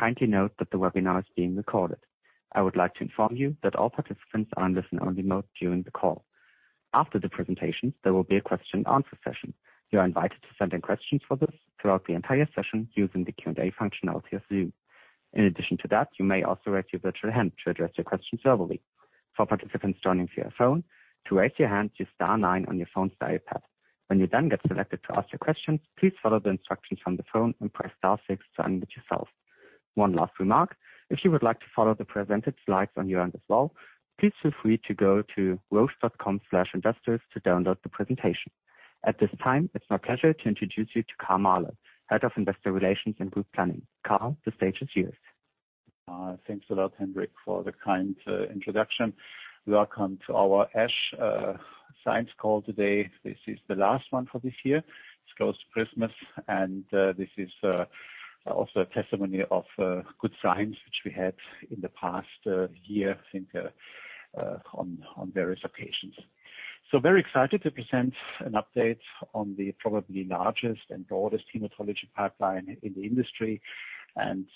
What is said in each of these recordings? Kindly note that the webinar is being recorded. I would like to inform you that all participants are in listen-only mode during the call. After the presentation, there will be a question and answer session. You are invited to send in questions for this throughout the entire session using the Q&A functionality of Zoom. In addition to that, you may also raise your virtual hand to address your questions verbally. For participants joining via phone, to raise your hand, use star nine on your phone's dial pad. When you then get selected to ask your question, please follow the instructions from the phone and press star six to unmute yourself. One last remark, if you would like to follow the presented slides on your end as well, please feel free to go to roche.com/investors to download the presentation. At this time, it's my pleasure to introduce you to Karl Mahler, Head of Investor Relations and Group Planning. Karl, the stage is yours. Thanks a lot, Henrik, for the kind introduction. Welcome to our ASH science call today. This is the last one for this year. It's close to Christmas, and this is also a testimony of good signs which we had in the past year, I think, on various occasions. Very excited to present an update on the probably largest and broadest hematology pipeline in the industry.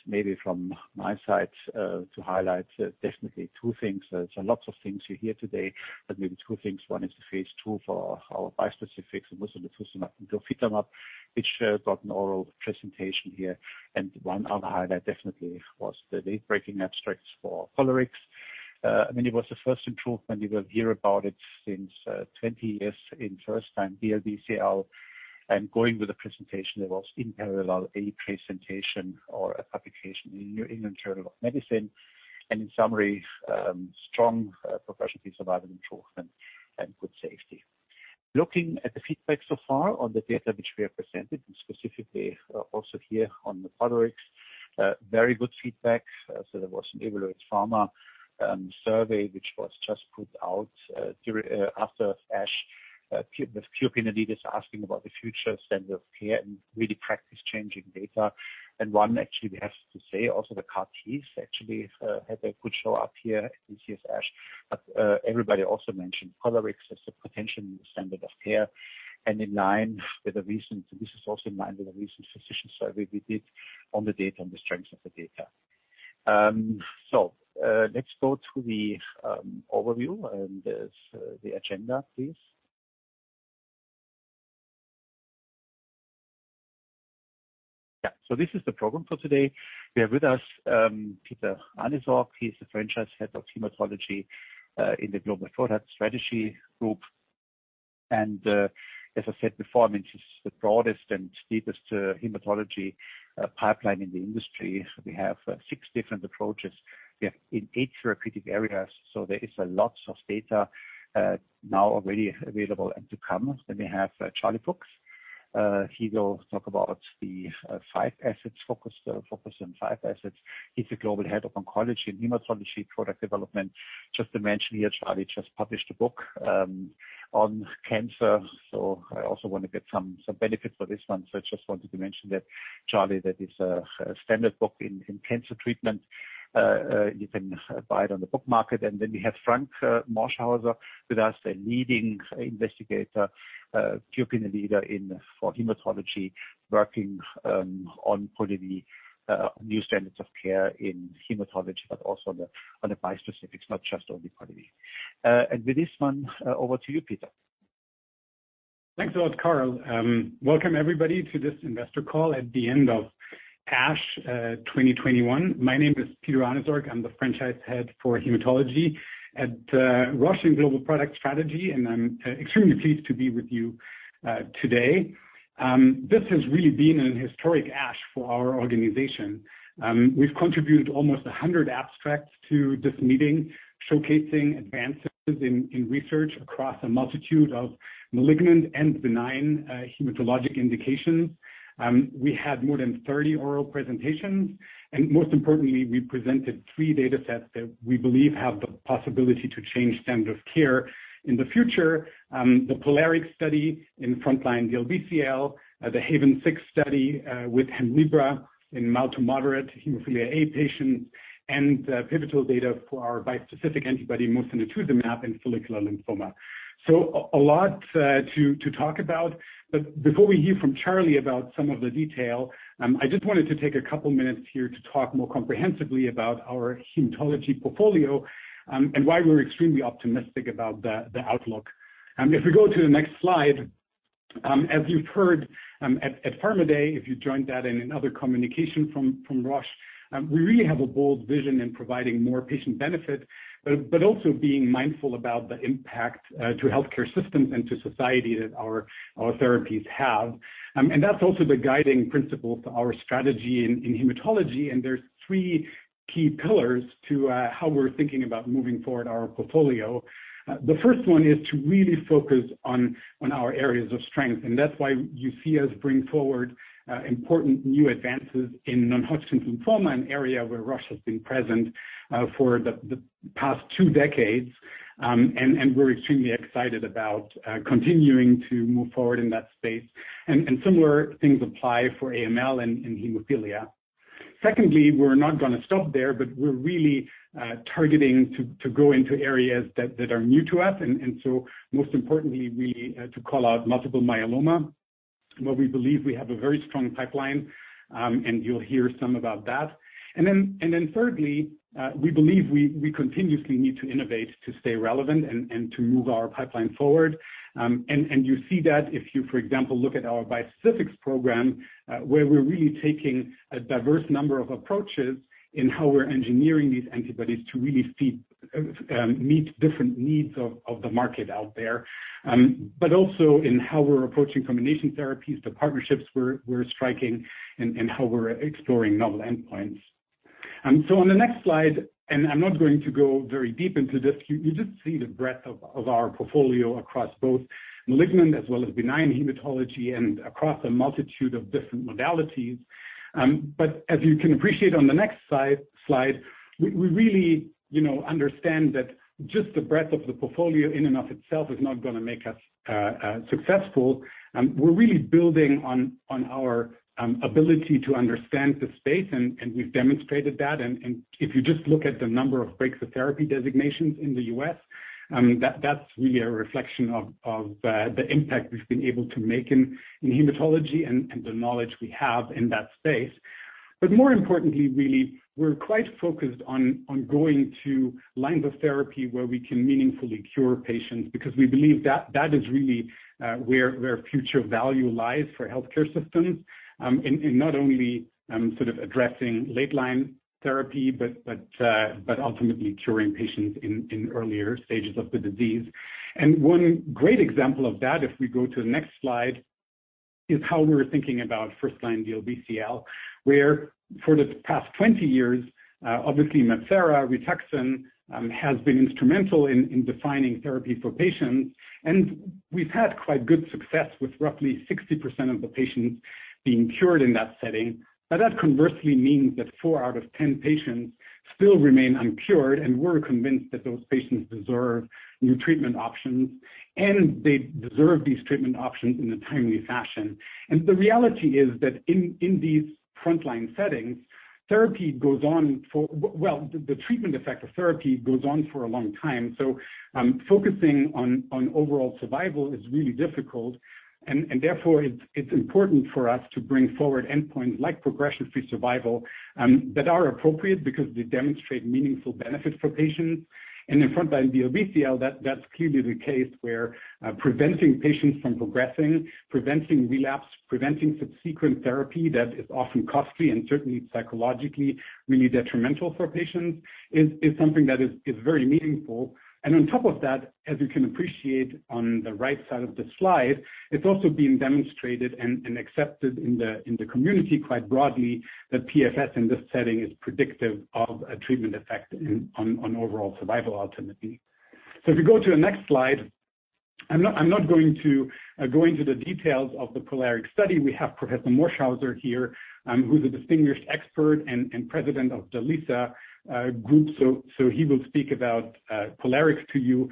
Maybe from my side to highlight definitely two things. There's lots of things you hear today, but maybe two things. One is the phase II for our bispecifics and mosunetuzumab and glofitamab, which got an oral presentation here. One other highlight definitely was the late-breaking abstracts for POLARIX. I mean, it was the first improvement we will hear about it since 20 years in first time DLBCL. Going with the presentation, there was in parallel a presentation or a publication in New England Journal of Medicine. In summary, strong progression-free survival improvement and good safety. Looking at the feedback so far on the data which we have presented, and specifically also here on the POLARIX, very good feedback. There was an Evaluate Pharma survey which was just put out after ASH with key opinion leaders asking about the future standard of care and really practice-changing data. One actually we have to say also the CAR-T actually had a good show up here at this ASH. Everybody also mentioned POLARIX as a potential standard of care. In line with a recent... This is also in line with a recent physician survey we did on the data and the strengths of the data. Let's go to the overview and the agenda, please. Yeah, this is the program for today. We have with us Peter Ahnesorg. He's the Franchise Head of Hematology in the Global Product Strategy group. As I said before, I mean, this is the broadest and deepest hematology pipeline in the industry. We have six different approaches. We have in eight therapeutic areas, so there is a lot of data now already available and to come. Then we have Charlie Fuchs. He will talk about the focus on five assets. He's the Global Head of Oncology and Hematology Product Development. Just to mention here, Charlie just published a book on cancer. I also want to get some benefit for this one. I just wanted to mention that, Charlie, that is a standard book in cancer treatment. You can buy it on the book market. Then we have Franck Morschhäuser with us, a leading investigator, key opinion leader for hematology, working on probably new standards of care in hematology, but also on the bispecifics, not just only probably. With this one, over to you, Peter. Thanks a lot, Karl. Welcome everybody to this investor call at the end of ASH 2021. My name is Peter Ahnesorg. I'm the franchise head for hematology at Roche and Global Product Strategy, and I'm extremely pleased to be with you today. This has really been an historic ASH for our organization. We've contributed almost 100 abstracts to this meeting, showcasing advances in research across a multitude of malignant and benign hematologic indications. We had more than 30 oral presentations, and most importantly, we presented three datasets that we believe have the possibility to change standard of care in the future. The POLARIX study in frontline DLBCL, the HAVEN 6 study with Hemlibra in mild to moderate hemophilia A patients, and pivotal data for our bispecific antibody mosunetuzumab in follicular lymphoma. A lot to talk about, but before we hear from Charlie about some of the detail, I just wanted to take a couple minutes here to talk more comprehensively about our hematology portfolio, and why we're extremely optimistic about the outlook. If we go to the next slide, as you've heard at Pharma Day, if you joined that and in other communication from Roche, we really have a bold vision in providing more patient benefit, but also being mindful about the impact to healthcare systems and to society that our therapies have. That's also the guiding principle to our strategy in hematology. There's three key pillars to how we're thinking about moving forward our portfolio. The first one is to really focus on our areas of strength. That's why you see us bring forward important new advances in non-Hodgkin lymphoma, an area where Roche has been present for the past two decades. We're extremely excited about continuing to move forward in that space. Similar things apply for AML and hemophilia. Secondly, we're not gonna stop there, but we're really targeting to go into areas that are new to us. Most importantly, really, to call out multiple myeloma. Well, we believe we have a very strong pipeline, and you'll hear some about that. Then thirdly, we believe we continuously need to innovate to stay relevant and to move our pipeline forward. You see that if you, for example, look at our bispecifics program, where we're really taking a diverse number of approaches in how we're engineering these antibodies to meet different needs of the market out there, but also in how we're approaching combination therapies, the partnerships we're striking and how we're exploring novel endpoints. On the next slide, I'm not going to go very deep into this. You just see the breadth of our portfolio across both malignant as well as benign hematology and across a multitude of different modalities. But as you can appreciate on the next slide, we really, you know, understand that just the breadth of the portfolio in and of itself is not gonna make us successful. We're really building on our ability to understand the space, and we've demonstrated that. If you just look at the number of Breakthrough Therapy Designations in the U.S., that's really a reflection of the impact we've been able to make in hematology and the knowledge we have in that space. More importantly, really, we're quite focused on going to lines of therapy where we can meaningfully cure patients, because we believe that is really where future value lies for healthcare systems, and not only sort of addressing late line therapy, but ultimately curing patients in earlier stages of the disease. One great example of that, if we go to the next slide, is how we're thinking about first line DLBCL, where for the past 20 years, obviously MabThera Rituxan has been instrumental in defining therapy for patients. We've had quite good success with roughly 60% of the patients being cured in that setting. That conversely means that four out of ten patients still remain uncured, and we're convinced that those patients deserve new treatment options, and they deserve these treatment options in a timely fashion. The reality is that in these frontline settings, the treatment effect of therapy goes on for a long time. Focusing on overall survival is really difficult and therefore it's important for us to bring forward endpoints like progression-free survival that are appropriate because they demonstrate meaningful benefit for patients. In front line DLBCL, that's clearly the case where preventing patients from progressing, preventing relapse, preventing subsequent therapy that is often costly and certainly psychologically really detrimental for patients is something that is very meaningful. On top of that, as you can appreciate on the right side of the slide, it's also been demonstrated and accepted in the community quite broadly that PFS in this setting is predictive of a treatment effect on overall survival ultimately. If you go to the next slide. I'm not going to go into the details of the POLARIX study. We have Professor Morschhäuser here, who's a distinguished expert and president of the LYSA group, so he will speak about POLARIX to you.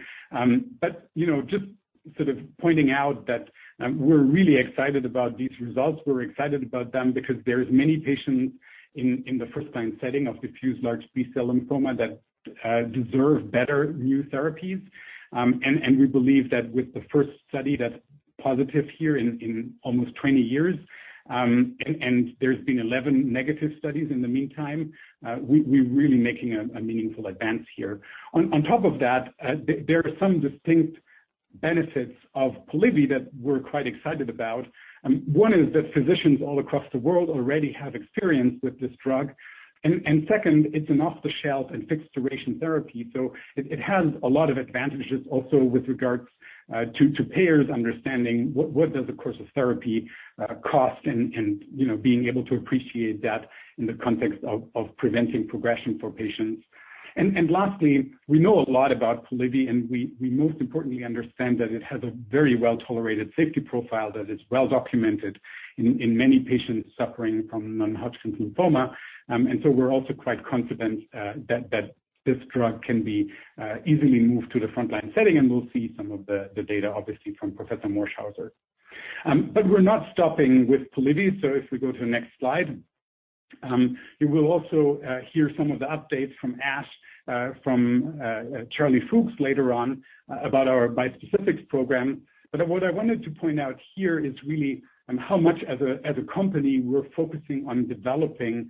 You know, just sort of pointing out that we're really excited about these results. We're excited about them because there's many patients in the first line setting of diffuse large B-cell lymphoma that deserve better new therapies. We believe that with the first study that's positive here in almost 20 years, and there's been 11 negative studies in the meantime, we're really making a meaningful advance here. On top of that, there are some distinct benefits of Polivy that we're quite excited about. One is that physicians all across the world already have experience with this drug. Second, it's an off-the-shelf and fixed duration therapy, so it has a lot of advantages also with regards to payers understanding what does a course of therapy cost and, you know, being able to appreciate that in the context of preventing progression for patients. Lastly, we know a lot about Polivy, and we most importantly understand that it has a very well-tolerated safety profile that is well documented in many patients suffering from non-Hodgkin lymphoma. So we're also quite confident that this drug can be easily moved to the frontline setting, and we'll see some of the data obviously from Professor Morschhäuser. But we're not stopping with Polivy, so if we go to the next slide. You will also hear some of the updates from ASH from Charlie Fuchs later on about our bispecifics program. What I wanted to point out here is really on how much as a company we're focusing on developing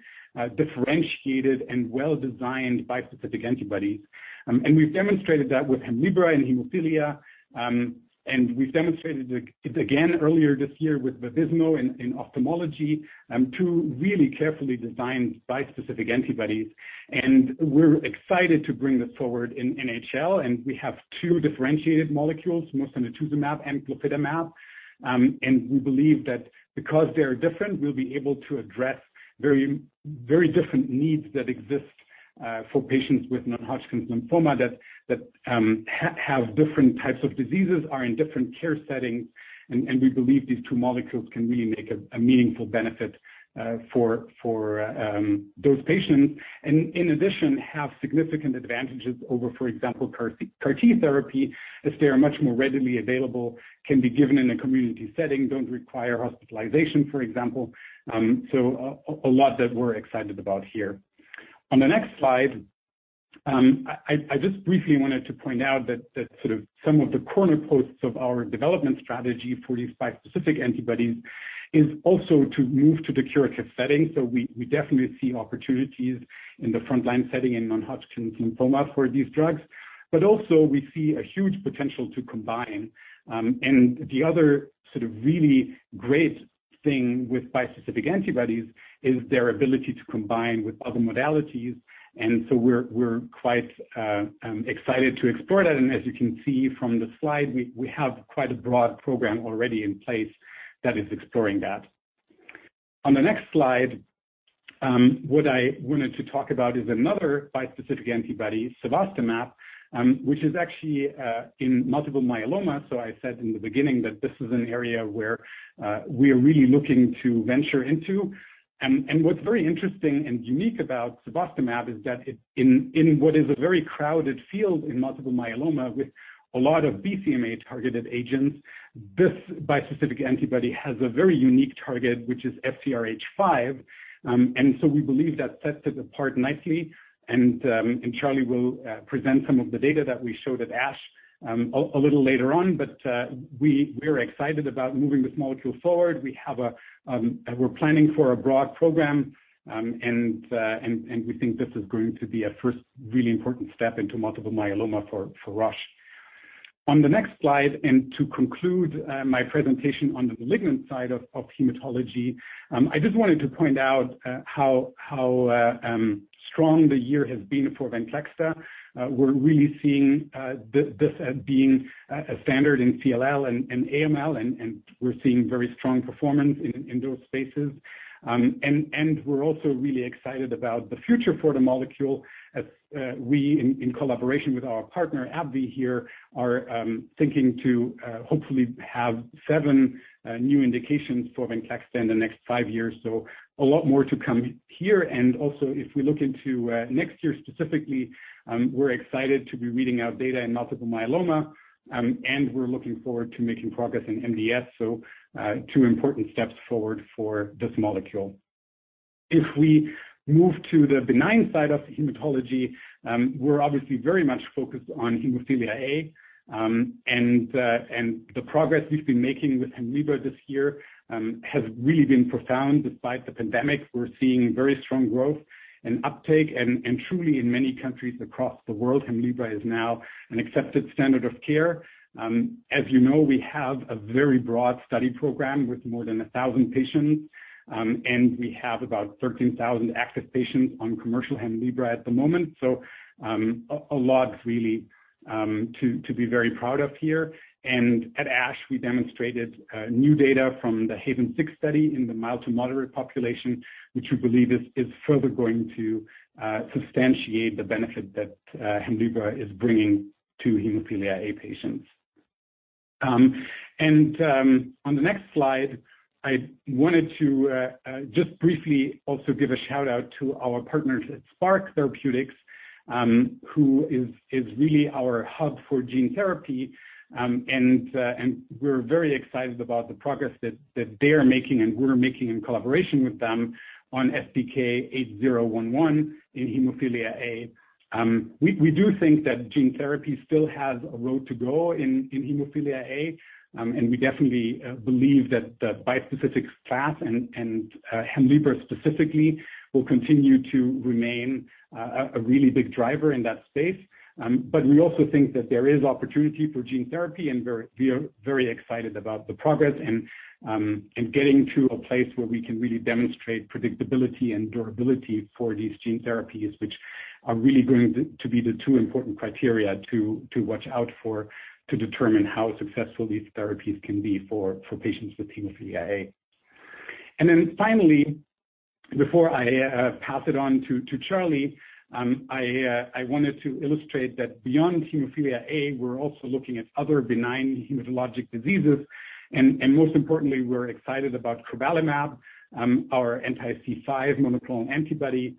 differentiated and well-designed bispecific antibodies. We've demonstrated that with Hemlibra in hemophilia. We've demonstrated it again earlier this year with Vabysmo in ophthalmology, two really carefully designed bispecific antibodies. We're excited to bring this forward in NHL, and we have two differentiated molecules, mosunetuzumab and glofitamab. We believe that because they are different, we'll be able to address very, very different needs that exist for patients with non-Hodgkin lymphoma that have different types of diseases, are in different care settings. We believe these two molecules can really make a meaningful benefit for those patients. In addition, have significant advantages over, for example, CAR-T therapy, as they are much more readily available, can be given in a community setting, don't require hospitalization, for example. A lot that we're excited about here. On the next slide, I just briefly wanted to point out that sort of some of the corner posts of our development strategy for these bispecific antibodies is also to move to the curative setting. We definitely see opportunities in the frontline setting in non-Hodgkin lymphoma for these drugs. Also we see a huge potential to combine, and the other sort of really great thing with bispecific antibodies is their ability to combine with other modalities. We're quite excited to explore that. As you can see from the slide, we have quite a broad program already in place that is exploring that. On the next slide, what I wanted to talk about is another bispecific antibody, cevostamab, which is actually in multiple myeloma. I said in the beginning that this is an area where we are really looking to venture into. What's very interesting and unique about cevostamab is that in what is a very crowded field in multiple myeloma with a lot of BCMA-targeted agents, this bispecific antibody has a very unique target, which is FcRH5. We believe that sets it apart nicely and Charlie will present some of the data that we showed at ASH, a little later on. We're excited about moving this molecule forward. We're planning for a broad program, and we think this is going to be a first really important step into multiple myeloma for Roche. On the next slide, and to conclude, my presentation on the malignant side of hematology, I just wanted to point out how strong the year has been for Venclexta. We're really seeing this as being a standard in CLL and AML, and we're seeing very strong performance in those spaces. We're also really excited about the future for the molecule as we in collaboration with our partner AbbVie here are thinking to hopefully have seven new indications for Venclexta in the next five years. A lot more to come here. Also if we look into next year specifically, we're excited to be reading out data in multiple myeloma, and we're looking forward to making progress in MDS. Two important steps forward for this molecule. If we move to the benign side of the hematology, we're obviously very much focused on hemophilia A and the progress we've been making with Hemlibra this year has really been profound despite the pandemic. We're seeing very strong growth and uptake and truly in many countries across the world, Hemlibra is now an accepted standard of care. As you know, we have a very broad study program with more than 1,000 patients. We have about 13,000 active patients on commercial Hemlibra at the moment. A lot really to be very proud of here. At ASH, we demonstrated new data from the HAVEN 6 study in the mild to moderate population, which we believe is further going to substantiate the benefit that Hemlibra is bringing to hemophilia A patients. On the next slide, I wanted to just briefly also give a shout-out to our partners at Spark Therapeutics, who is really our hub for gene therapy. We're very excited about the progress that they are making and we're making in collaboration with them on SPK-8011 in hemophilia A. We do think that gene therapy still has a road to go in hemophilia A. We definitely believe that the bispecific class and Hemlibra specifically will continue to remain a really big driver in that space. But we also think that there is opportunity for gene therapy, and we are very excited about the progress and getting to a place where we can really demonstrate predictability and durability for these gene therapies, which are really going to be the two important criteria to watch out for to determine how successful these therapies can be for patients with hemophilia A. Finally, before I pass it on to Charlie, I wanted to illustrate that beyond hemophilia A, we're also looking at other benign hematologic diseases. Most importantly, we're excited about crovalimab, our anti-C5 monoclonal antibody.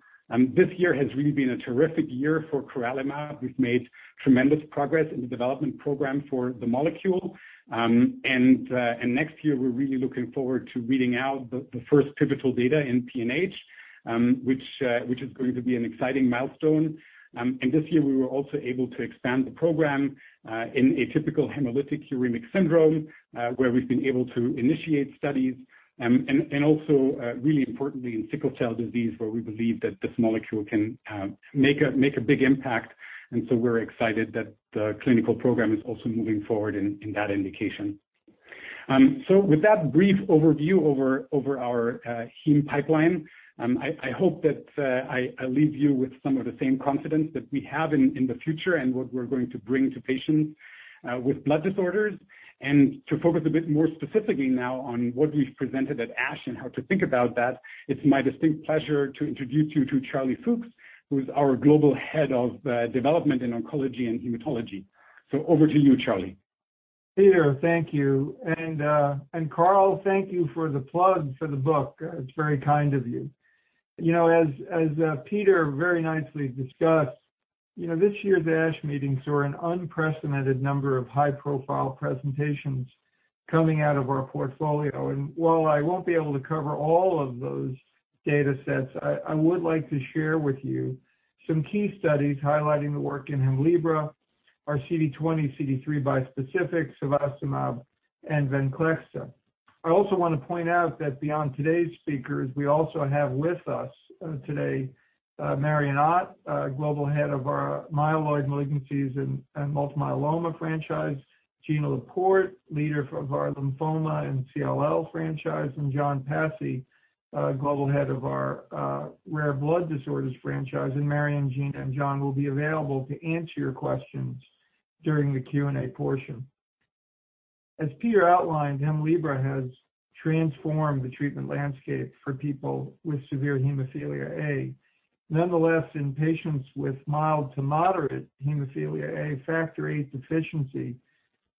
This year has really been a terrific year for crovalimab. We've made tremendous progress in the development program for the molecule. Next year we're really looking forward to reading out the first pivotal data in PNH, which is going to be an exciting milestone. This year we were also able to expand the program in atypical hemolytic uremic syndrome, where we've been able to initiate studies, and also really importantly in sickle cell disease where we believe that this molecule can make a big impact. We're excited that the clinical program is also moving forward in that indication. With that brief overview of our hem pipeline, I hope that I leave you with some of the same confidence that we have in the future and what we're going to bring to patients with blood disorders. To focus a bit more specifically now on what we've presented at ASH and how to think about that, it's my distinct pleasure to introduce you to Charlie Fuchs, who is our Global Head of Development in Oncology and Hematology. Over to you, Charlie. Peter, thank you. And Karl, thank you for the plug for the book. It's very kind of you. You know, as Peter very nicely discussed, you know, this year's ASH meetings saw an unprecedented number of high-profile presentations. Coming out of our portfolio. While I won't be able to cover all of those data sets, I would like to share with you some key studies highlighting the work in Hemlibra, our CD20/CD3 bispecific, cevostamab, and Venclexta. I also want to point out that beyond today's speakers, we also have with us today Marion Ott, global head of our myeloid malignancies and multiple myeloma franchise, Ginna Laport, leader of our lymphoma and CLL franchise, and John Passey, global head of our rare blood disorders franchise. Marion, Gina, and John will be available to answer your questions during the Q&A portion. As Peter outlined, HEMLIBRA has transformed the treatment landscape for people with severe hemophilia A. Nonetheless, in patients with mild to moderate hemophilia A, Factor VIII deficiency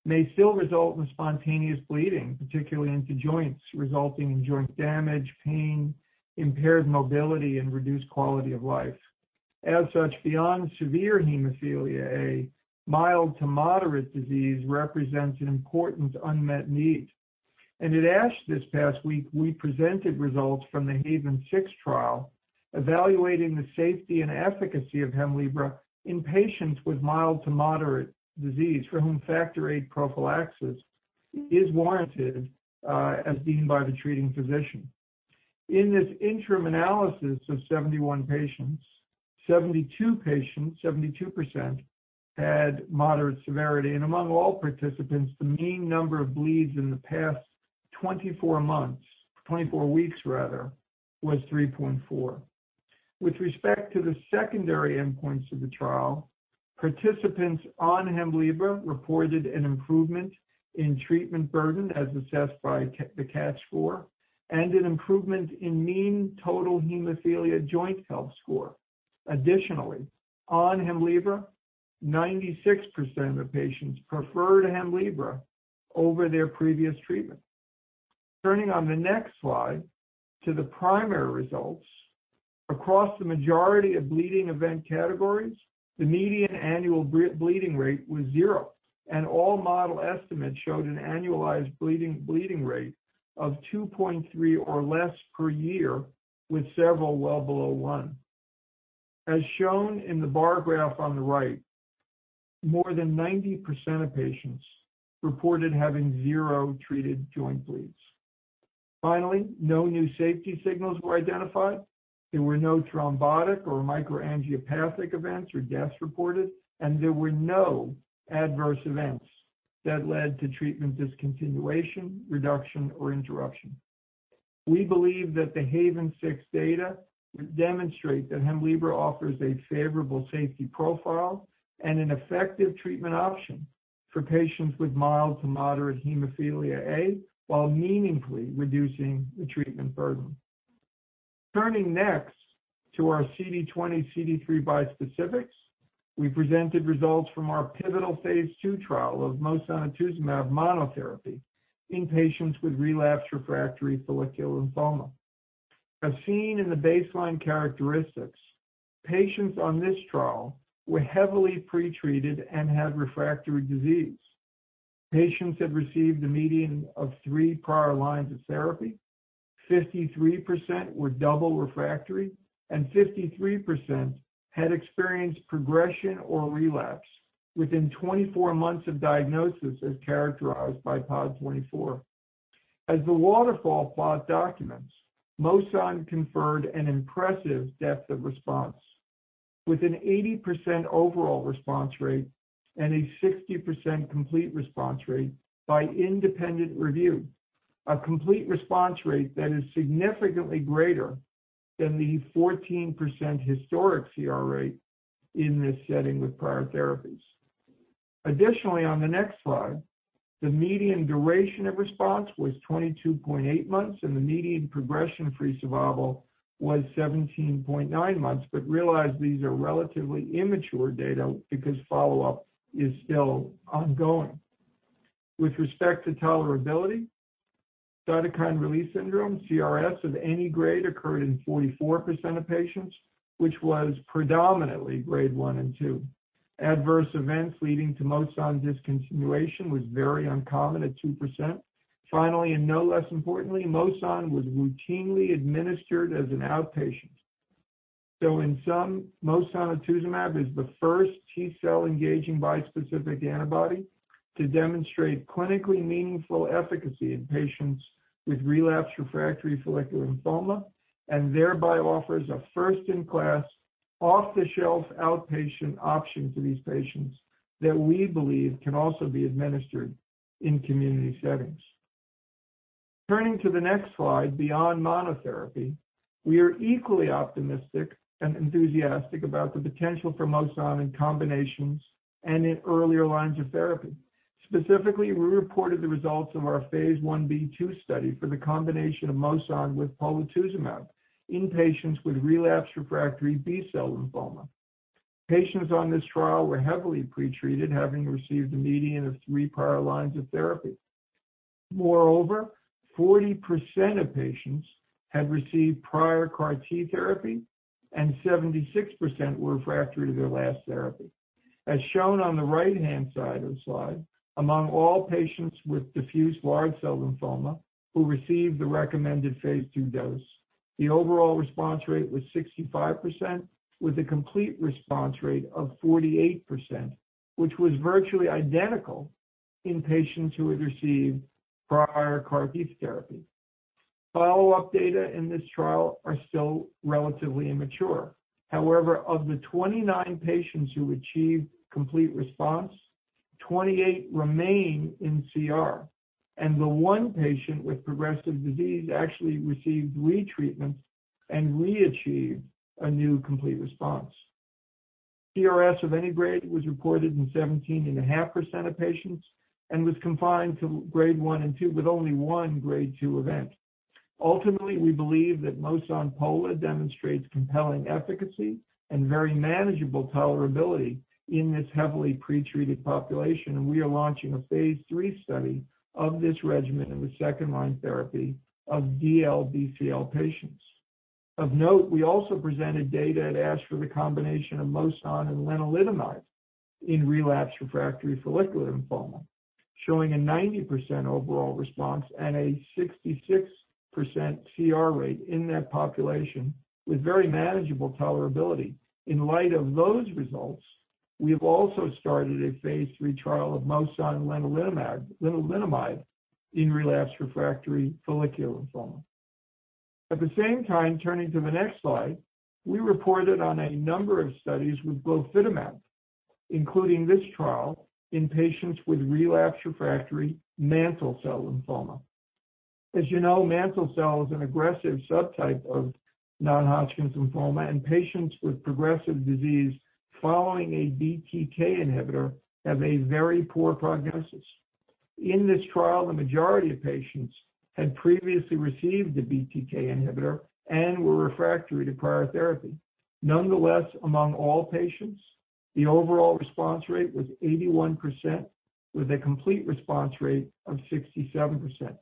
may still result in spontaneous bleeding, particularly into joints, resulting in joint damage, pain, impaired mobility, and reduced quality of life. As such, beyond severe hemophilia A, mild to moderate disease represents an important unmet need. At ASH this past week, we presented results from the HAVEN 6 trial evaluating the safety and efficacy of HEMLIBRA in patients with mild to moderate disease for whom Factor VIII prophylaxis is warranted, as deemed by the treating physician. In this interim analysis of 71 patients, 72 patients, 72% had moderate severity, and among all participants, the mean number of bleeds in the past 24 weeks rather was 3.4. With respect to the secondary endpoints of the trial, participants on HEMLIBRA reported an improvement in treatment burden as assessed by the CATCH score, and an improvement in mean total hemophilia joint health score. Additionally, on HEMLIBRA, 96% of patients preferred HEMLIBRA over their previous treatment. Turning on the next slide to the primary results. Across the majority of bleeding event categories, the median annual bleeding rate was 0, and all model estimates showed an annualized bleeding rate of 2.3 or less per year, with several well below 1. As shown in the bar graph on the right, more than 90% of patients reported having 0 treated joint bleeds. Finally, no new safety signals were identified, there were no thrombotic or microangiopathic events or deaths reported, and there were no adverse events that led to treatment discontinuation, reduction, or interruption. We believe that the HAVEN 6 data demonstrate that HEMLIBRA offers a favorable safety profile and an effective treatment option for patients with mild to moderate hemophilia A, while meaningfully reducing the treatment burden. Turning next to our CD20/CD3 bispecifics, we presented results from our pivotal phase II trial of mosunetuzumab monotherapy in patients with relapsed refractory follicular lymphoma. As seen in the baseline characteristics, patients on this trial were heavily pretreated and had refractory disease. Patients had received a median of three prior lines of therapy, 53% were double refractory, and 53% had experienced progression or relapse within 24 months of diagnosis as characterized by POD24. As the waterfall plot documents, Mosun conferred an impressive depth of response with an 80% overall response rate and a 60% complete response rate by independent review. A complete response rate that is significantly greater than the 14% historic CR rate in this setting with prior therapies. Additionally, on the next slide, the median duration of response was 22.8 months, and the median progression-free survival was 17.9 months. Realize these are relatively immature data because follow-up is still ongoing. With respect to tolerability, cytokine release syndrome, CRS, of any grade occurred in 44% of patients, which was predominantly grade one and two. Adverse events leading to Mosun discontinuation was very uncommon at 2%. Finally, and no less importantly, Mosun was routinely administered as an outpatient. In sum, mosunetuzumab is the first T-cell engaging bispecific antibody to demonstrate clinically meaningful efficacy in patients with relapsed refractory follicular lymphoma, and thereby offers a first-in-class, off-the-shelf outpatient option to these patients that we believe can also be administered in community settings. Turning to the next slide, beyond monotherapy, we are equally optimistic and enthusiastic about the potential for Mosun in combinations and in earlier lines of therapy. Specifically, we reported the results of our phase Ib/II study for the combination of Mosun with polatuzumab in patients with relapsed refractory B-cell lymphoma. Patients on this trial were heavily pretreated, having received a median of three prior lines of therapy. Moreover, 40% of patients had received prior CAR-T therapy, and 76% were refractory to their last therapy. As shown on the right-hand side of the slide, among all patients with diffuse large B-cell lymphoma who received the recommended phase II dose, the overall response rate was 65% with a complete response rate of 48%, which was virtually identical in patients who had received prior CAR-T therapy. Follow-up data in this trial are still relatively immature. However, of the 29 patients who achieved complete response, 28 remain in CR, and the one patient with progressive disease actually received retreatment and re-achieved a new complete response. CRS of any grade was reported in 17.5% of patients and was confined to grade one and two, with only one grade two event. Ultimately, we believe that Mosun-Pola demonstrates compelling efficacy and very manageable tolerability in this heavily pretreated population, and we are launching a phase III study of this regimen in the second-line therapy of DLBCL patients. Of note, we also presented data at ASH for the combination of Mosun and lenalidomide in relapsed refractory follicular lymphoma, showing a 90% overall response and a 66% CR rate in that population with very manageable tolerability. In light of those results, we have also started a phase III trial of Mosun lenalidomide in relapsed refractory follicular lymphoma. At the same time, turning to the next slide, we reported on a number of studies with glofitamab, including this trial in patients with relapsed refractory mantle cell lymphoma. As you know, mantle cell is an aggressive subtype of non-Hodgkin lymphoma, and patients with progressive disease following a BTK inhibitor have a very poor prognosis. In this trial, the majority of patients had previously received the BTK inhibitor and were refractory to prior therapy. Nonetheless, among all patients, the overall response rate was 81%, with a complete response rate of 67%.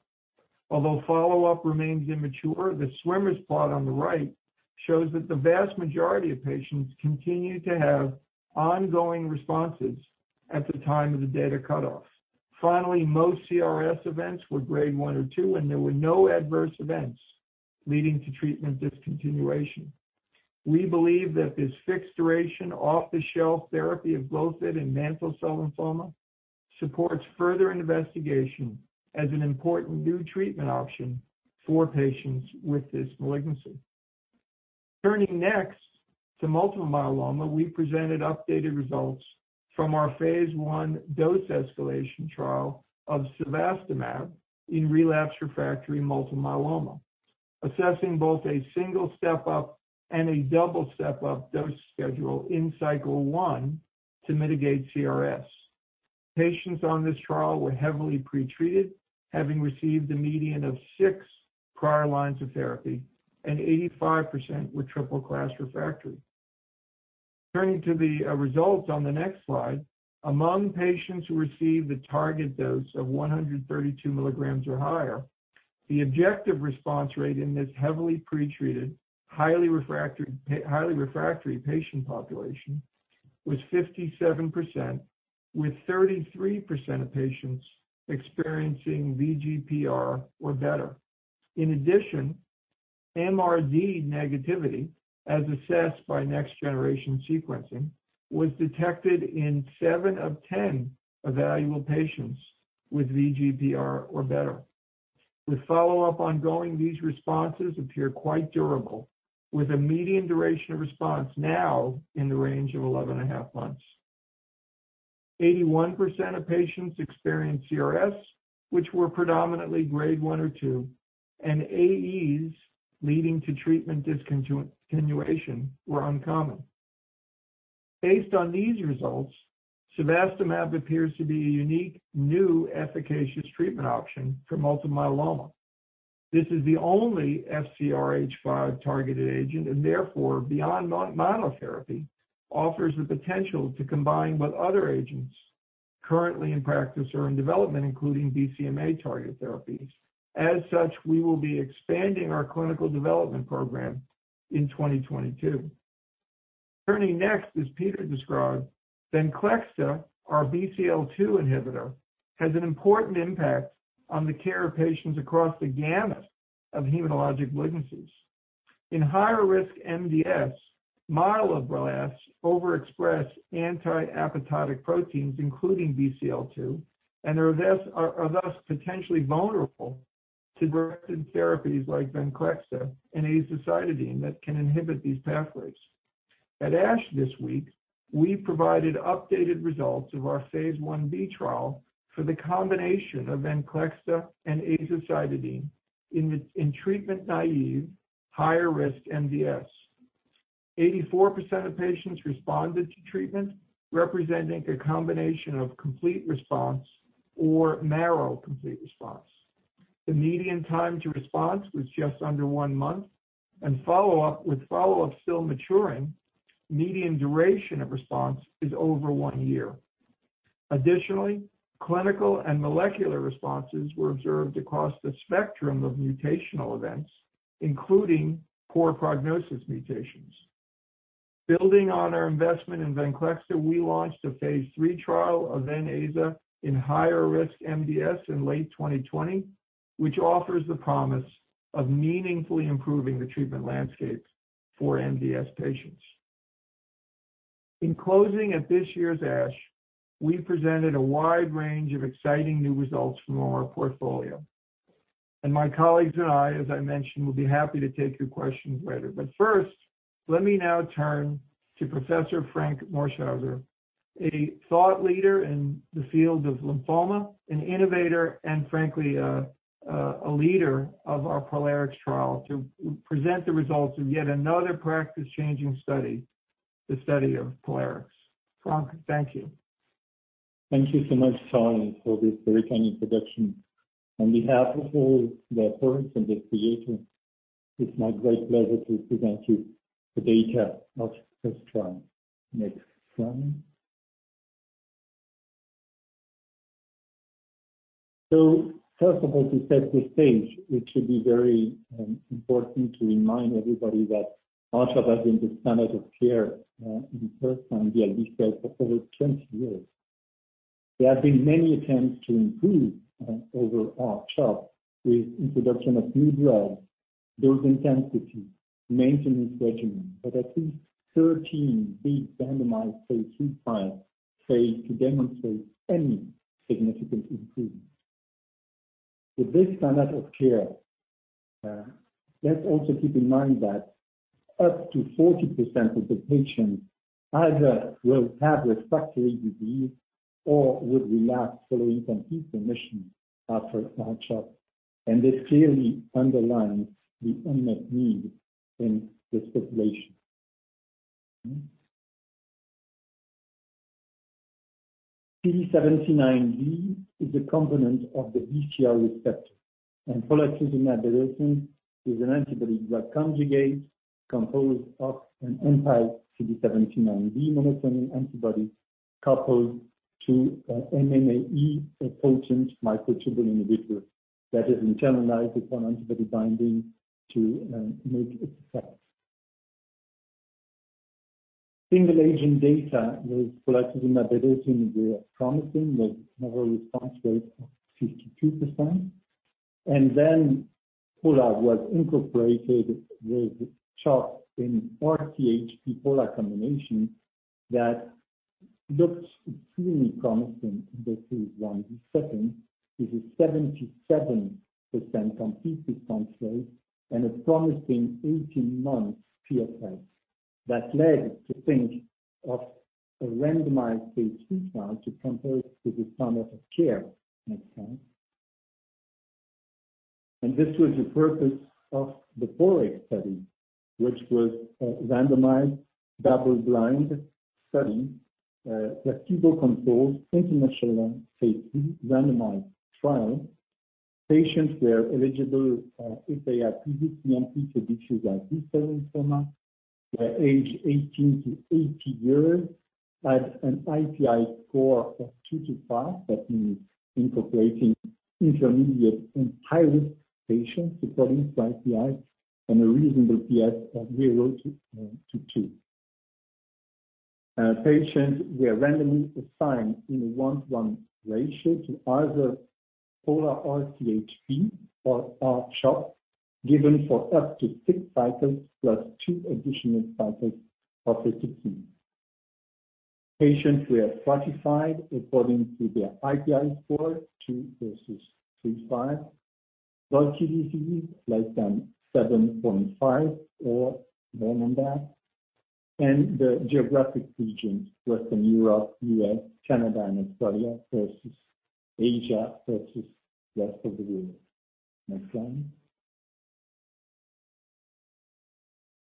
Although follow-up remains immature, the swimmers plot on the right shows that the vast majority of patients continued to have ongoing responses at the time of the data cutoffs. Finally, most CRS events were grade one or two, and there were no adverse events leading to treatment discontinuation. We believe that this fixed duration, off-the-shelf therapy of Glofit in mantle cell lymphoma supports further investigation as an important new treatment option for patients with this malignancy. Turning next to multiple myeloma, we presented updated results from our phase I dose escalation trial of cevostamab in relapsed refractory multiple myeloma, assessing both a single step-up and a double step-up dose schedule in cycle one to mitigate CRS. Patients on this trial were heavily pretreated, having received a median of 6 prior lines of therapy, and 85% were triple class refractory. Turning to the results on the next slide, among patients who received a target dose of 132 mg or higher, the objective response rate in this heavily pretreated, highly refractory patient population was 57%, with 33% of patients experiencing VGPR or better. In addition, MRD negativity, as assessed by next-generation sequencing, was detected in 7 of 10 evaluable patients with VGPR or better. With follow-up ongoing, these responses appear quite durable, with a median duration of response now in the range of eleven and a half months. 81% of patients experienced CRS, which were predominantly grade one or two, and AEs leading to treatment discontinuation were uncommon. Based on these results, cevostamab appears to be a unique, new efficacious treatment option for multiple myeloma. This is the only FcRH5 targeted agent and therefore, beyond monotherapy, offers the potential to combine with other agents currently in practice or in development, including BCMA targeted therapies. As such, we will be expanding our clinical development program in 2022. Turning next, as Peter described, Venclexta, our BCL-2 inhibitor, has an important impact on the care of patients across the gamut of hematologic malignancies. In higher risk MDS, myeloblasts overexpress anti-apoptotic proteins, including BCL-2, and are thus potentially vulnerable to directed therapies like Venclexta and azacitidine that can inhibit these pathways. At ASH this week, we provided updated results of our phase I/B trial for the combination of Venclexta and azacitidine in treatment-naïve, higher risk MDS. 84% of patients responded to treatment, representing a combination of complete response or marrow complete response. The median time to response was just under one month, and follow-up, with follow-up still maturing, median duration of response is over one year. Additionally, clinical and molecular responses were observed across the spectrum of mutational events, including poor prognosis mutations. Building on our investment in Venclexta, we launched a phase III trial of Ven-Aza in higher risk MDS in late 2020, which offers the promise of meaningfully improving the treatment landscape for MDS patients. In closing, at this year's ASH, we presented a wide range of exciting new results from our portfolio. My colleagues and I, as I mentioned, will be happy to take your questions later. First, let me now turn to Professor Franck Morschhäuser, a thought leader in the field of lymphoma, an innovator and Franckly, a leader of our POLARIX trial, to present the results of yet another practice-changing study, the study of POLARIX. Franck, thank you. Thank you so much, Charlie, for this very kind introduction. On behalf of all the authors and the creators, it's my great pleasure to present you the data of this trial. Next slide. First of all, to set the stage, it should be very important to remind everybody that CHOP has been the standard of care in first-line DLBCL for over 20 years. There have been many attempts to improve over our CHOP with introduction of new drugs, dose intensity, maintenance regimen. At least 13 big randomized phase III trials failed to demonstrate any significant improvement. With this standard of care, let's also keep in mind that up to 40% of the patients either will have refractory disease or would relapse following complete remission after R-CHOP. This clearly underlines the unmet need in this population. CD79B is a component of the BCR receptor, and polatuzumab vedotin is an antibody-drug conjugate composed of an anti-CD79B monoclonal antibody coupled to a MMAE, a potent microtubule inhibitor that is internalized upon antibody binding to make it fast. Single agent data with polatuzumab vedotin were promising with an overall response rate of 52%. Pola was incorporated with CHOP in R-CHP pola combination that looks extremely promising in this one. The second is a 77% complete response rate and a promising 18-month PFS that led to think of a randomized phase III trial to compare it with the standard of care. Next slide. This was the purpose of the POLARIX study, which was a randomized double-blind study, placebo-controlled, international, phase III randomized trial. Patients were eligible if they had previously untreated B-cell lymphoma. Their age 18-80 years, had an IPI score of two to five. That means incorporating intermediate and high-risk patients according to IPI, and a reasonable PS of 0-2. Patients were randomly assigned in a 1:1 ratio to either pola-R-CHP or R-CHOP, given for up to six cycles plus two additional cycles of 50. Patients were stratified according to their IPI score, two versus three to five. Bulky disease less than 7.5 or more than that. The geographic regions were from Europe, U.S., Canada, and Australia versus Asia versus rest of the world. Next slide.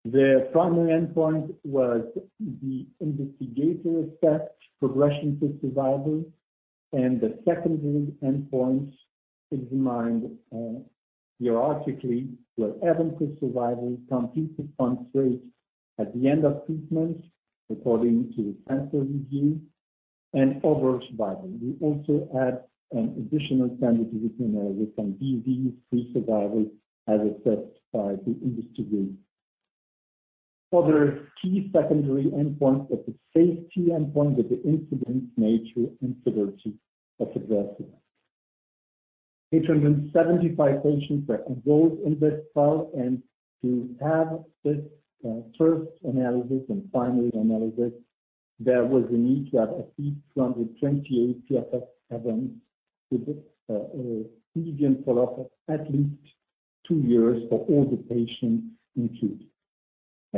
The primary endpoint was the investigator-assessed progression-free survival, and the secondary endpoints examined hierarchically were event-free survival, complete response rate at the end of treatment according to the central review, and overall survival. We also had an additional sensitivity analysis on disease-free survival as assessed by the investigator. Other key secondary endpoints of the safety endpoint were the incidence, nature, and severity of adverse events. 875 patients were enrolled in this trial, and to have this first analysis and final analysis, there was a need to have at least 228 PFS events with a median follow-up of at least two years for all the patients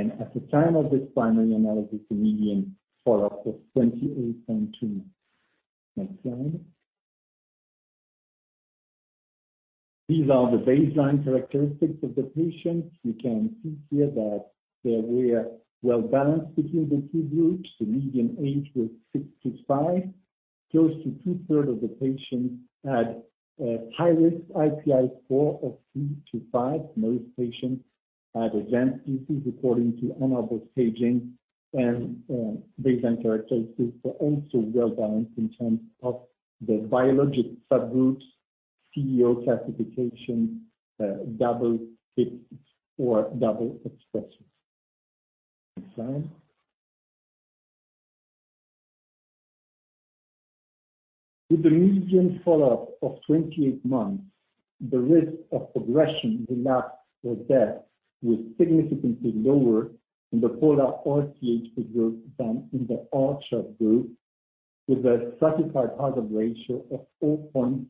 included. At the time of this primary analysis, a median follow-up of 28.2. Next slide. These are the baseline characteristics of the patients. You can see here that they were well-balanced between the two groups. The median age was 65. Close to two-thirds of the patients had a high-risk IPI score of two to five. Most patients at the event, you see, according to Ann Arbor staging and baseline characteristics were also well balanced in terms of the biologic subgroups, COO classification, double hits or double expressors. Next slide. With the median follow-up of 28 months, the risk of progression, relapse or death was significantly lower in the pola-R-CHP group than in the R-CHOP group, with a stratified hazard ratio of 0.73.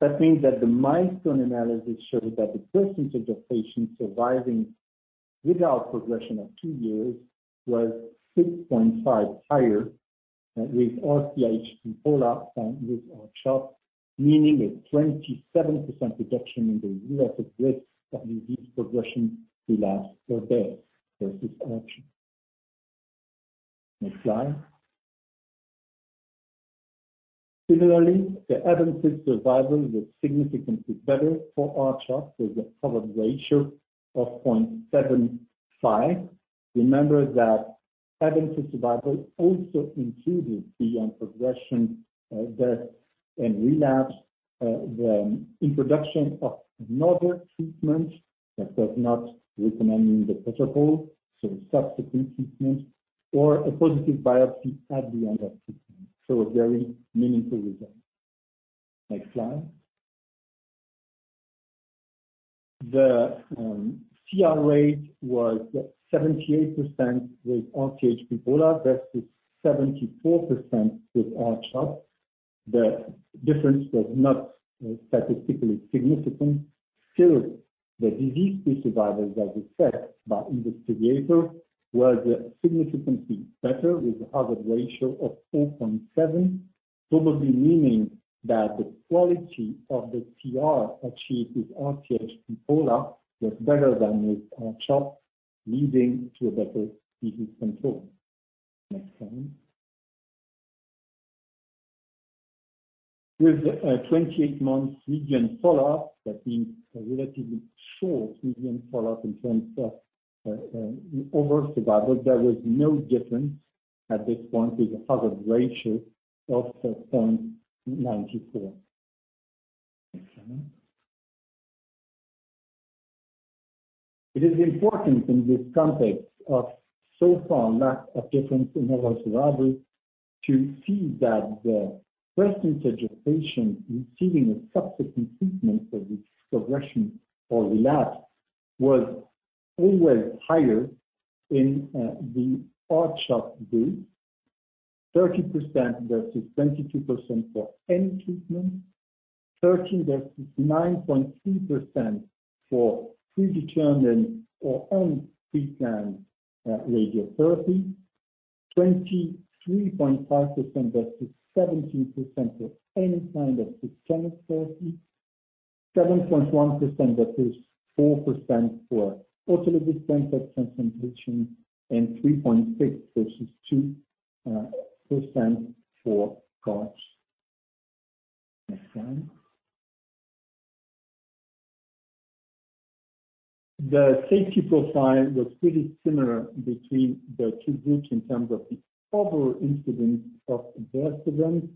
That means that the landmark analysis showed that the percentage of patients surviving without progression at two years was 6.5% higher with pola-R-CHP than with R-CHOP, meaning a 27% reduction in the relative risk of disease progression, relapse or death versus R-CHOP. Next slide. Similarly, the event-free survival was significantly better for pola-R-CHP with a hazard ratio of 0.75. Remember that event-free survival also included beyond progression, death and relapse, the introduction of another treatment that was not recommended in the protocol, so subsequent treatment or a positive biopsy at the end of treatment. A very meaningful result. Next slide. The CR rate was 78% with R-CHP/POLA versus 74% with R-CHOP. The difference was not statistically significant. Still, the disease-free survival, as assessed by investigator, was significantly better with a hazard ratio of 4.7, probably meaning that the quality of the CR achieved with R-CHP/POLA was better than with R-CHOP, leading to a better disease control. Next slide. With a 28-month median follow-up, that means a relatively short median follow-up in terms of overall survival, there was no difference at this point with a hazard ratio of 0.94. Next slide. It is important in this context of so far lack of difference in overall survival to see that the percentage of patients receiving a subsequent treatment for disease progression or relapse was always higher in the R-CHOP group. 30% versus 22% for any treatment. 13 versus 9.3% for predetermined or unpreplanned radiotherapy. 23.5% versus 17% for any kind of systemic therapy. 7.1% versus 4% for autologous stem cell transplantation. 3.6 versus 2% for CAR T. Next slide. The safety profile was pretty similar between the two groups in terms of the overall incidence of adverse events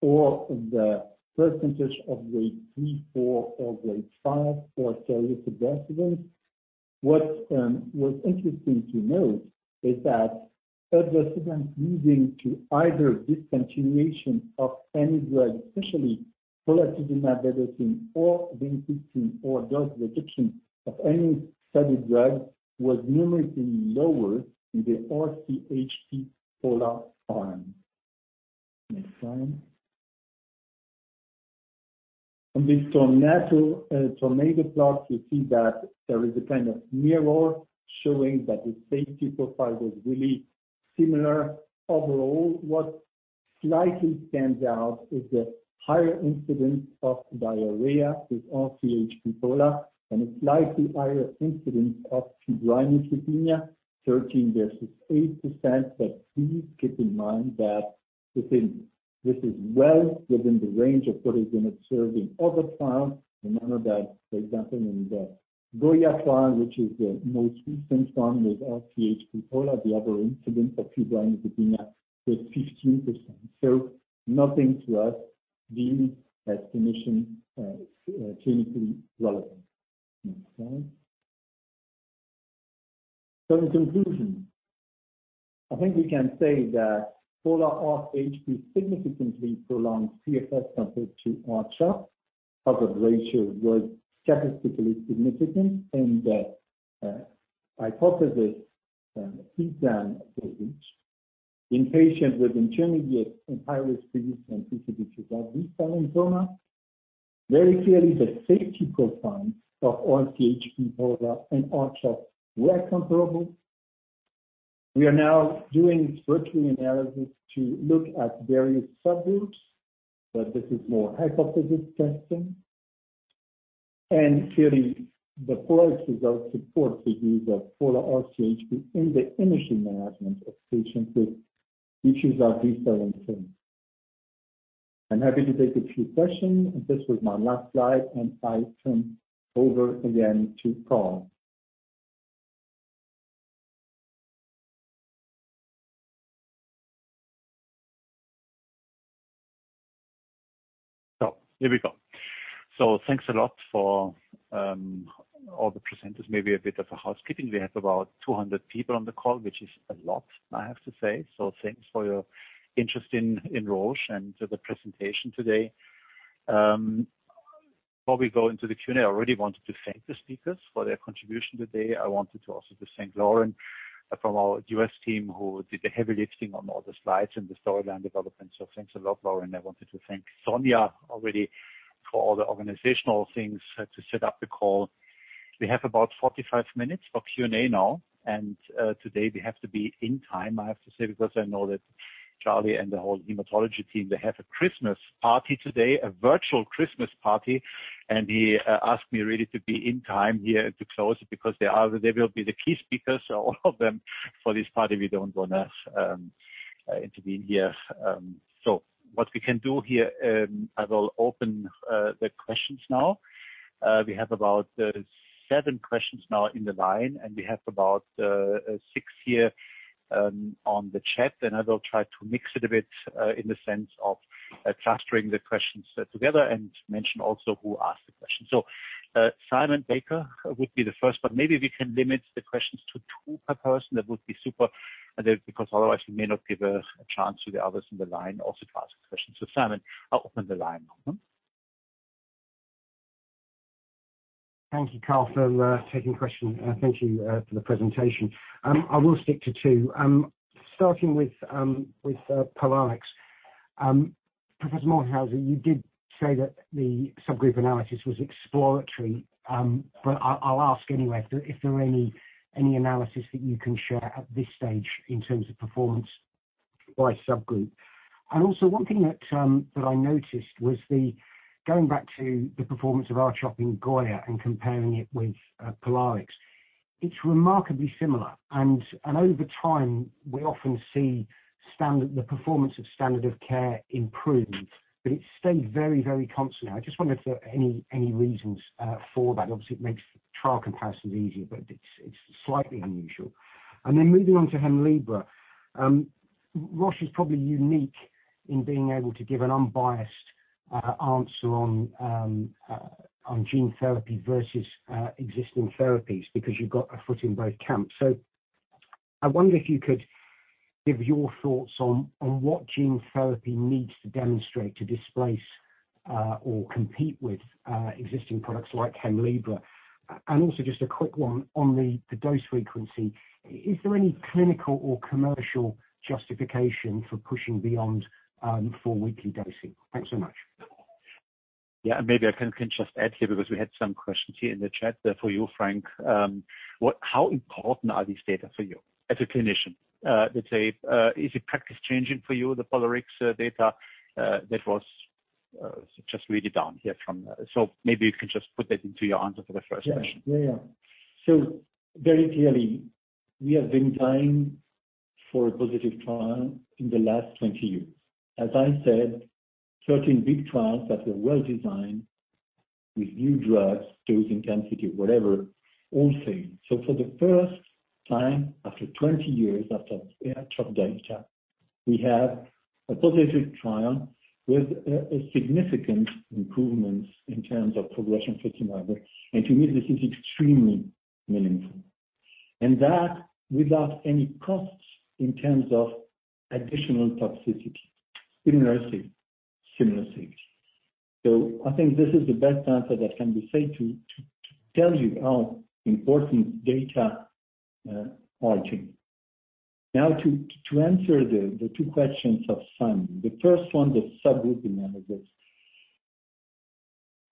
or the percentage of grade three, four or grade five for serious adverse events. What was interesting to note is that adverse events leading to either discontinuation of any drug, especially polatuzumab vedotin or bendamustine treatment or dose reduction of any study drug, was numerically lower in the R-CHP/POLA arm. Next slide. On this tornado plot, you see that there is a kind of mirror showing that the safety profile was really similar. Overall, what slightly stands out is the higher incidence of diarrhea with R-CHP/POLA and a slightly higher incidence of febrile neutropenia, 13% versus 8%. Please keep in mind that this is well within the range of what has been observed in other trials. Remember that, for example, in the GOYA trial, which is the most recent one with R-CHP/POLA, the incidence of febrile neutropenia was 15%. Nothing to us as clinicians is clinically relevant. Next slide. In conclusion, I think we can say that pola-R-CHP significantly prolonged PFS compared to R-CHOP. Hazard ratio was statistically significant in the primary analysis. In patients with intermediate and high-risk previously untreated diffuse large B-cell lymphoma, very clearly the safety profile of R-CHP/pola and R-CHOP were comparable. We are now doing virtual analysis to look at various subgroups, but this is more hypothesis testing. Clearly the POLA results support the use of pola-R-CHP in the initial management of patients with diffuse large B-cell lymphoma. I'm happy to take a few questions. This was my last slide, and I turn over again to Karl. Here we go. Thanks a lot for all the presenters. Maybe a bit of a housekeeping. We have about 200 people on the call, which is a lot, I have to say. Thanks for your interest in Roche and the presentation today. Before we go into the Q&A, I already wanted to thank the speakers for their contribution today. I wanted also to thank Lauren from our U.S. team, who did the heavy lifting on all the slides and the storyline development. Thanks a lot, Lauren. I wanted to thank Sonia already for all the organizational things to set up the call. We have about 45 minutes for Q&A now, and today we have to be in time, I have to say, because I know that Charlie and the whole hematology team, they have a Christmas party today, a virtual Christmas party, and he asked me really to be in time here to close it because they will be the key speakers, so all of them for this party, we don't want to intervene here. So what we can do here, I will open the questions now. We have about seven questions now in the line, and we have about six here on the chat. I will try to mix it a bit in the sense of clustering the questions together and mention also who asked the question. Simon Baker would be the first, but maybe we can limit the questions to two per person. That would be super, because otherwise we may not give a chance to the others in the line also to ask questions. Simon, I'll open the line now. Thank you, Karl, for taking questions. Thank you for the presentation. I will stick to two. Starting with POLARIX. Professor Morschhäuser, you did say that the subgroup analysis was exploratory, but I'll ask anyway if there are any analysis that you can share at this stage in terms of performance by subgroup. Also one thing that I noticed was going back to the performance of R-CHOP in GOYA and comparing it with POLARIX, it's remarkably similar. And over time we often see the performance of standard of care improvement, but it stayed very, very constant. I just wonder if there any reasons for that. Obviously, it makes trial comparisons easier, but it's slightly unusual. Then moving on to Hemlibra. Roche is probably unique in being able to give an unbiased answer on gene therapy versus existing therapies because you've got a foot in both camps. I wonder if you could give your thoughts on what gene therapy needs to demonstrate to displace or compete with existing products like Hemlibra. Also just a quick one on the dose frequency. Is there any clinical or commercial justification for pushing beyond four weekly dosing? Thanks so much. Yeah. Maybe I can just add here because we had some questions here in the chat for you, Franck. What, how important are these data for you as a clinician? Let's say, is it practice-changing for you, the POLARIX data that was just read down here from. Maybe you can just put that into your answer for the first question. Very clearly, we have been dying for a positive trial in the last 20 years. As I said, 13 big trials that were well-designed with new drugs, dosing intensity, whatever, all failed. For the first time, after 20 years after R-CHOP data, we have a positive trial with a significant improvements in terms of progression-free survival. To me this is extremely meaningful. That without any costs in terms of additional toxicity, similar safety. I think this is the best answer that can be said to tell you how important data are to me. Now to answer the two questions of Simon. The first one, the subgroup analysis.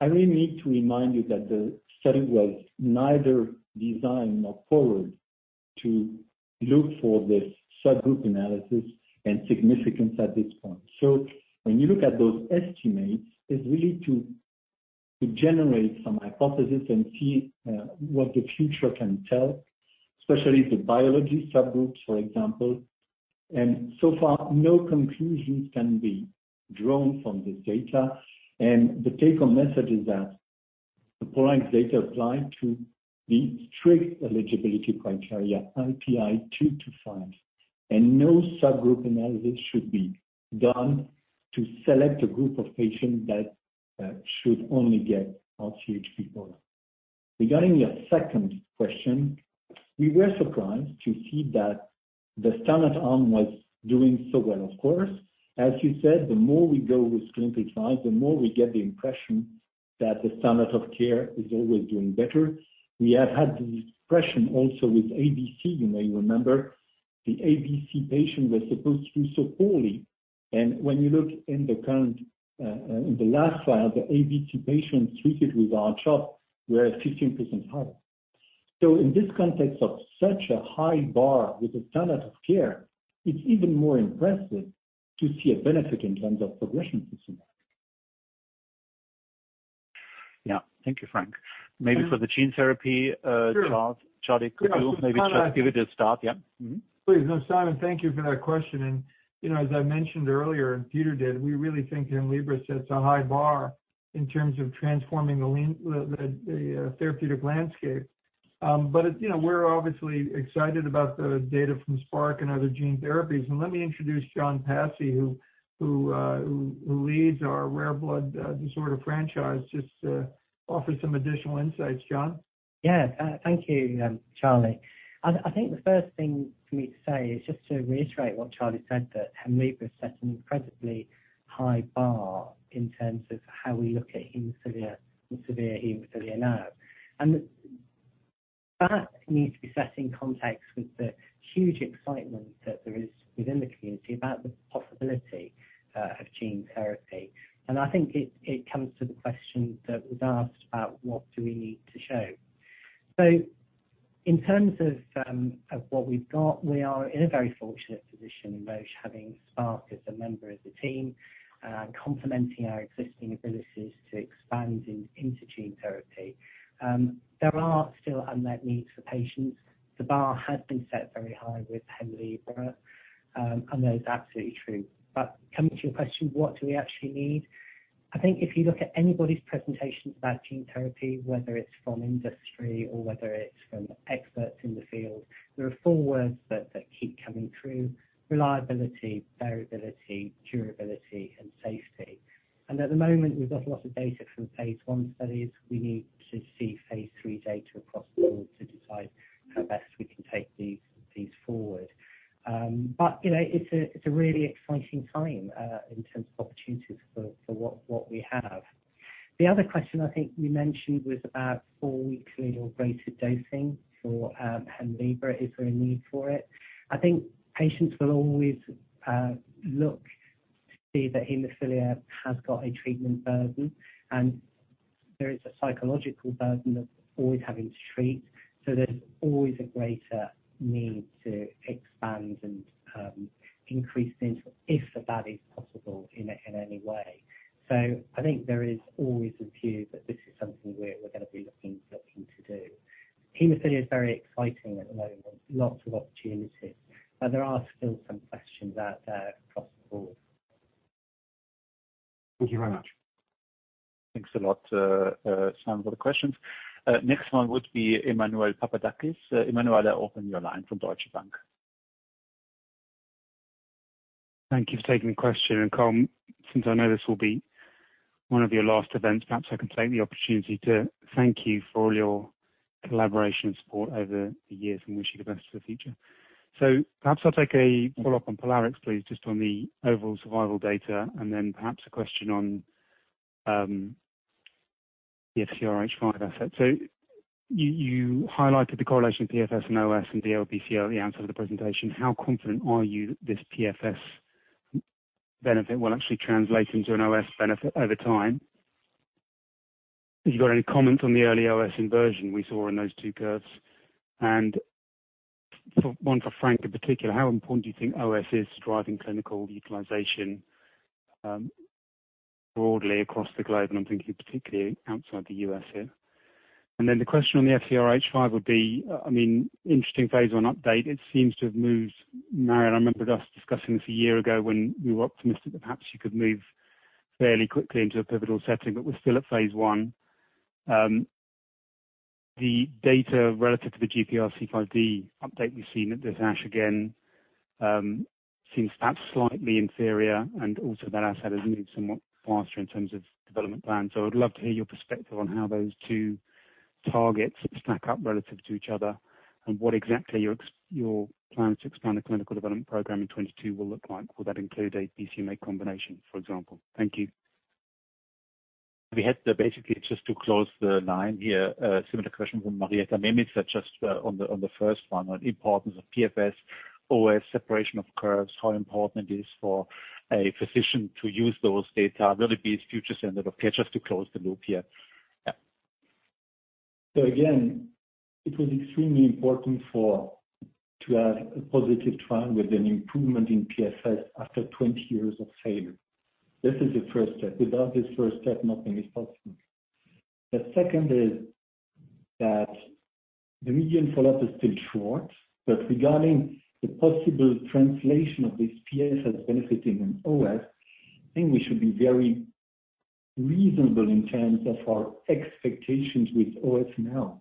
I really need to remind you that the study was neither designed nor powered to look for this subgroup analysis and significance at this point. When you look at those estimates, it's really to generate some hypothesis and see what the future can tell, especially the biology subgroups, for example. No conclusions can be drawn from this data. The take home message is that the POLARIX data apply to the strict eligibility criteria IPI 2-5, and no subgroup analysis should be done to select a group of patients that should only get R-CHP POLARIX. Regarding your second question, we were surprised to see that the standard arm was doing so well. Of course, as you said, the more we go with clinical trials, the more we get the impression that the standard of care is always doing better. We have had this impression also with ABC. You may remember the ABC patient was supposed to do so poorly. When you look in the current, in the last trial, the ABC patients treated with R-CHOP were 15% higher. In this context of such a high bar with the standard of care, it's even more impressive to see a benefit in terms of progression-free survival. Yeah. Thank you, Franck. Maybe for the gene therapy, Charlie Fuchs, could you maybe just give it a start? Yeah. Mm-hmm. Please. No, Simon, thank you for that question. You know, as I mentioned earlier, and Peter did, we really think Hemlibra sets a high bar in terms of transforming the therapeutic landscape. But it's, you know, we're obviously excited about the data from Spark and other gene therapies. Let me introduce John Passey, who leads our rare blood disorder franchise, just to offer some additional insights. John? Yeah. Thank you, Charlie. I think the first thing for me to say is just to reiterate what Charlie said, that Hemlibra set an incredibly high bar in terms of how we look at hemophilia, severe hemophilia now. That needs to be set in context with the huge excitement that there is within the community about the possibility of gene therapy. I think it comes to the question that was asked about what do we need to show. In terms of what we've got, we are in a very fortunate position in which having Spark as a member of the team complementing our existing abilities to expand into gene therapy. There are still unmet needs for patients. The bar has been set very high with Hemlibra, and that is absolutely true. Coming to your question, what do we actually need? I think if you look at anybody's presentations about gene therapy, whether it's from industry or whether it's from experts in the field, there are four words that keep coming through. Reliability, variability, durability, and safety. At the moment, we've got a lot of data from phase I studies. We need to see phase III data across the board to decide how best we can take these forward. You know, it's a really exciting time in terms of opportunities for what we have. The other question I think you mentioned was about four-weekly or greater dosing for Hemlibra. Is there a need for it? I think patients will always look to see that hemophilia has got a treatment burden, and there is a psychological burden of always having to treat. There's always a greater need to expand and increase the interval if that is possible in any way. I think there is always a view that this is something we're gonna be looking to do. Hemophilia is very exciting at the moment. Lots of opportunities, but there are still some questions out there across the board. Thank you very much. Thanks a lot, Simon, for the questions. Next one would be Emmanuel Papadakis. Emmanuel, open your line from Deutsche Bank. Thank you for taking the question. Karl Mahler, since I know this will be one of your last events, perhaps I can take the opportunity to thank you for all your collaboration and support over the years and wish you the best for the future. Perhaps I'll take a follow-up on POLARIX, please, just on the overall survival data, and then perhaps a question on the FcRH5 asset. You highlighted the correlation of PFS and OS in DLBCL in the answer to the presentation. How confident are you this PFS benefit will actually translate into an OS benefit over time? Have you got any comment on the early OS inversion we saw in those two curves? For one, for Franck Morschhauser in particular, how important do you think OS is to driving clinical utilization broadly across the globe? I'm thinking particularly outside the U.S. here. The question on the FcRH5 would be, I mean, interesting phase I update. It seems to have moved. Mario, I remember us discussing this a year ago when we were optimistic that perhaps you could move fairly quickly into a pivotal setting, but we're still at phase I. The data relative to the GPRC5D update we've seen at this ASH again seems that's slightly inferior, and also that asset has moved somewhat faster in terms of development plan. I would love to hear your perspective on how those two targets stack up relative to each other and what exactly your plan to expand the clinical development program in 2022 will look like. Will that include a BCMA combination, for example? Thank you. We had basically just to close the line here, a similar question from Marietta Miemietz, but just on the first one on importance of PFS, OS, separation of curves, how important it is for a physician to use those data. Will it be future standard of care? Just to close the loop here. Yeah. Again, it was extremely important to have a positive trial with an improvement in PFS after 20 years of failure. This is the first step. Without this first step, nothing is possible. The second is that the median follow-up is still short, but regarding the possible translation of this PFS benefiting in OS, I think we should be very reasonable in terms of our expectations with OS now.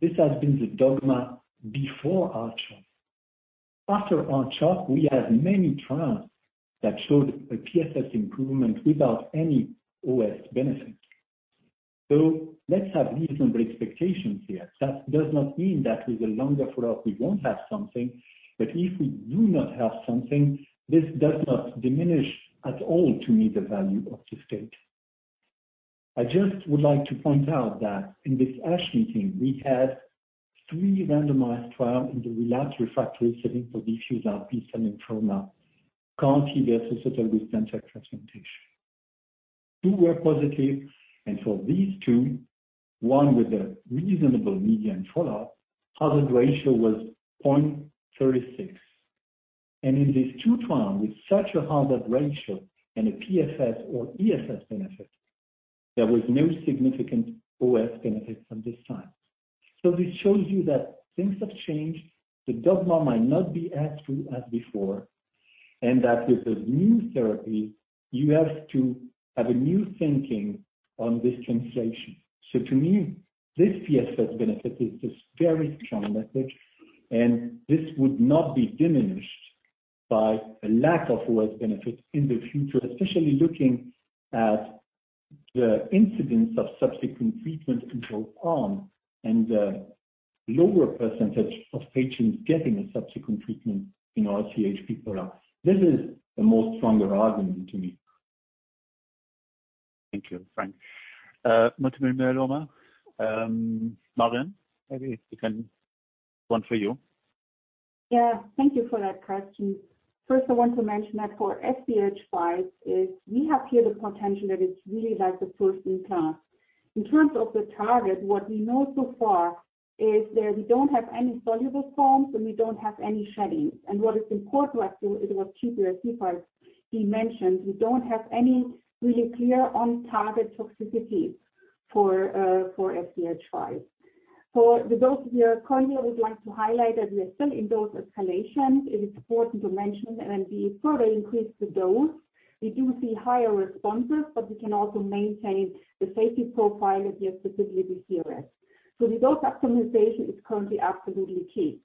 This has been the dogma before ARCHER. After ARCHER, we had many trials that showed a PFS improvement without any OS benefit. Let's have reasonable expectations here. That does not mean that with a longer follow-up, we won't have something. But if we do not have something, this does not diminish at all to me the value of this data. I just would like to point out that in this ASH meeting, we had three randomized trials in the relapsed/refractory setting for diffuse large B-cell lymphoma, CAR-T versus autologous transplantation. Two were positive, and for these two, one with a reasonable median follow-up, hazard ratio was 0.36. In these two trials with such a hazard ratio and a PFS or OS benefit, there was no significant OS benefit at this time. This shows you that things have changed. The dogma might not be as true as before, and that with the new therapy, you have to have a new thinking on this transplantation. To me, this PFS benefit is this very strong message, and this would not be diminished by a lack of OS benefit in the future, especially looking at the incidence of subsequent treatment control arm and the lower percentage of patients getting a subsequent treatment in our R-CHP arm. This is the strongest argument to me. Thank you, Franck. Multiple myeloma, Marion, one for you. Yeah. Thank you for that question. First, I want to mention that for SDH5 is we have here the potential that is really like the first in class. In terms of the target, what we know so far is that we don't have any soluble forms, and we don't have any sheddings. What is important actually is what QPSC files he mentioned. We don't have any really clear on-target toxicities for SDH5. For the dose, we are currently would like to highlight that we are still in dose escalation. It is important to mention that when we further increase the dose, we do see higher responses, but we can also maintain the safety profile of the specificity CRS. The dose optimization is currently absolutely key.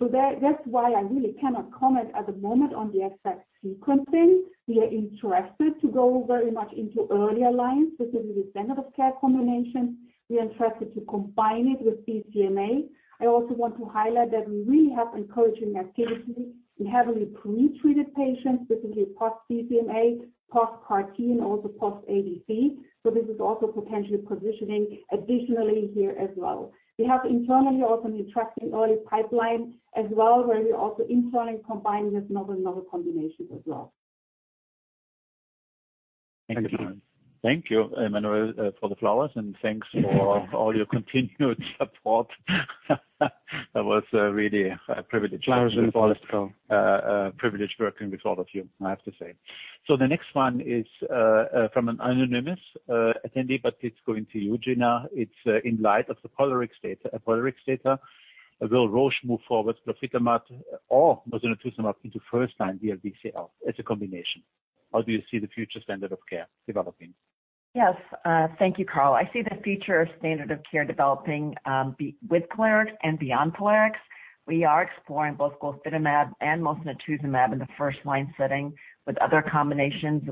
That's why I really cannot comment at the moment on the exact sequencing. We are interested to go very much into earlier lines, specifically standard of care combinations. We are interested to combine it with BCMA. I also want to highlight that we really have encouraging activity in heavily pretreated patients, specifically post-BCMA, post-CAR-T, and also post-ADC. This is also potentially positioning additionally here as well. We have internally also an interesting early pipeline as well, where we're also internally combining with novel combinations. Thank you. Thank you, Emmanuel, for the flowers, and thanks for all your continued support. That was really a privilege. Flowers and political. It's a privilege working with all of you, I have to say. The next one is from an anonymous attendee, but it's going to you, Ginna. It's in light of the POLARIX data. Will Roche move forward glofitamab or mosunetuzumab into first-line DLBCL as a combination? How do you see the future standard of care developing? Yes. Thank you, Karl. I see the future standard of care developing with POLARIX and beyond POLARIX. We are exploring both glofitamab and mosunetuzumab in the first-line setting with other combinations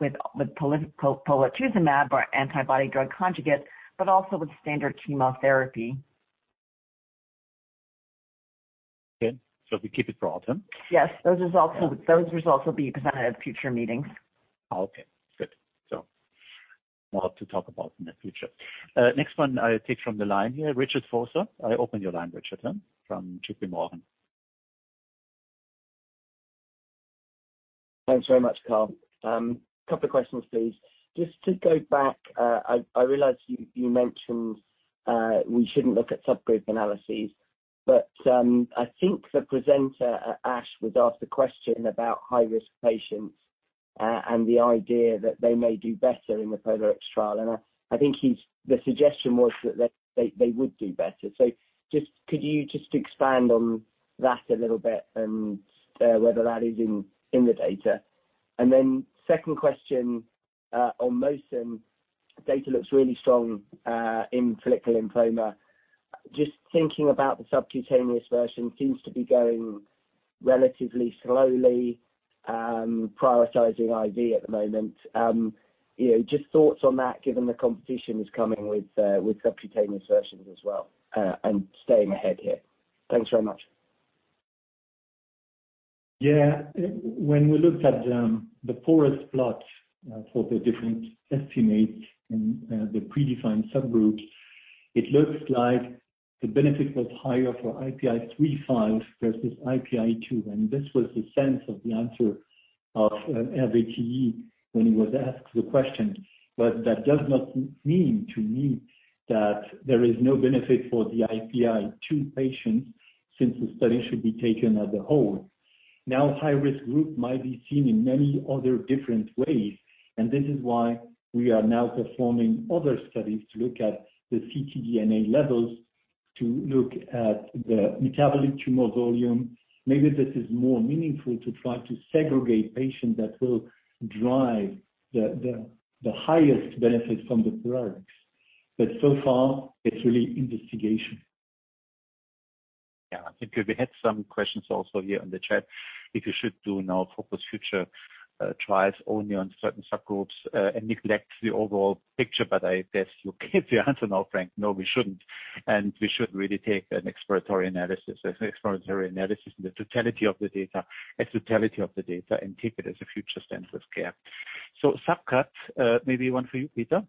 with polatuzumab or antibody-drug conjugate, but also with standard chemotherapy. Okay. We keep it for autumn. Yes. Those results. Yeah. Those results will be presented at future meetings. Okay, good. More to talk about in the future. Next one I take from the line here. Richard Vosser. I open your line, Richard, from JPMorgan. Thanks very much, Karl. A couple of questions, please. Just to go back, I realize you mentioned we shouldn't look at subgroup analyses, but I think the presenter at ASH was asked a question about high-risk patients, and the idea that they may do better in the POLARIX trial. I think the suggestion was that they would do better. Just could you expand on that a little bit and whether that is in the data? Then second question, on Mosun, data looks really strong in follicular lymphoma. Just thinking about the subcutaneous version seems to be going relatively slowly, prioritizing IV at the moment. You know, just thoughts on that, given the competition is coming with subcutaneous versions as well, and staying ahead here. Thanks very much. Yeah. When we looked at the forest plot for the different estimates in the predefined subgroups, it looks like the benefit was higher for IPI 3-5 versus IPI 2. This was the sense of the answer of Hervé Tilly when he was asked the question. That does not mean to me that there is no benefit for the IPI 2 patients, since the study should be taken as a whole. Now, high-risk group might be seen in many other different ways, and this is why we are now performing other studies to look at the ctDNA levels, to look at the metabolic tumor volume. Maybe this is more meaningful to try to segregate patients that will drive the highest benefit from the POLARIX. So far, it's really investigation. Yeah. I think we had some questions also here in the chat. If you should now focus future trials only on certain subgroups and neglect the overall picture. I guess you gave the answer now, Franck. No, we shouldn't. We should really take an exploratory analysis. An exploratory analysis in the totality of the data. A totality of the data and take it as a future standard of care. Subcut maybe one for you, Peter.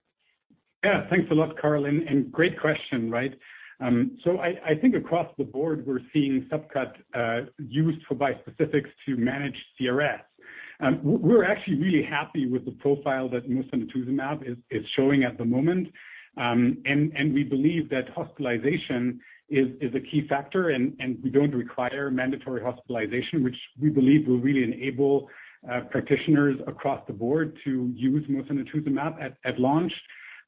Yeah. Thanks a lot, Karl, and great question, right? I think across the board, we're seeing subcut used for bispecifics to manage CRS. We're actually really happy with the profile that mosunetuzumab is showing at the moment. We believe that hospitalization is a key factor, and we don't require mandatory hospitalization, which we believe will really enable practitioners across the board to use mosunetuzumab at launch.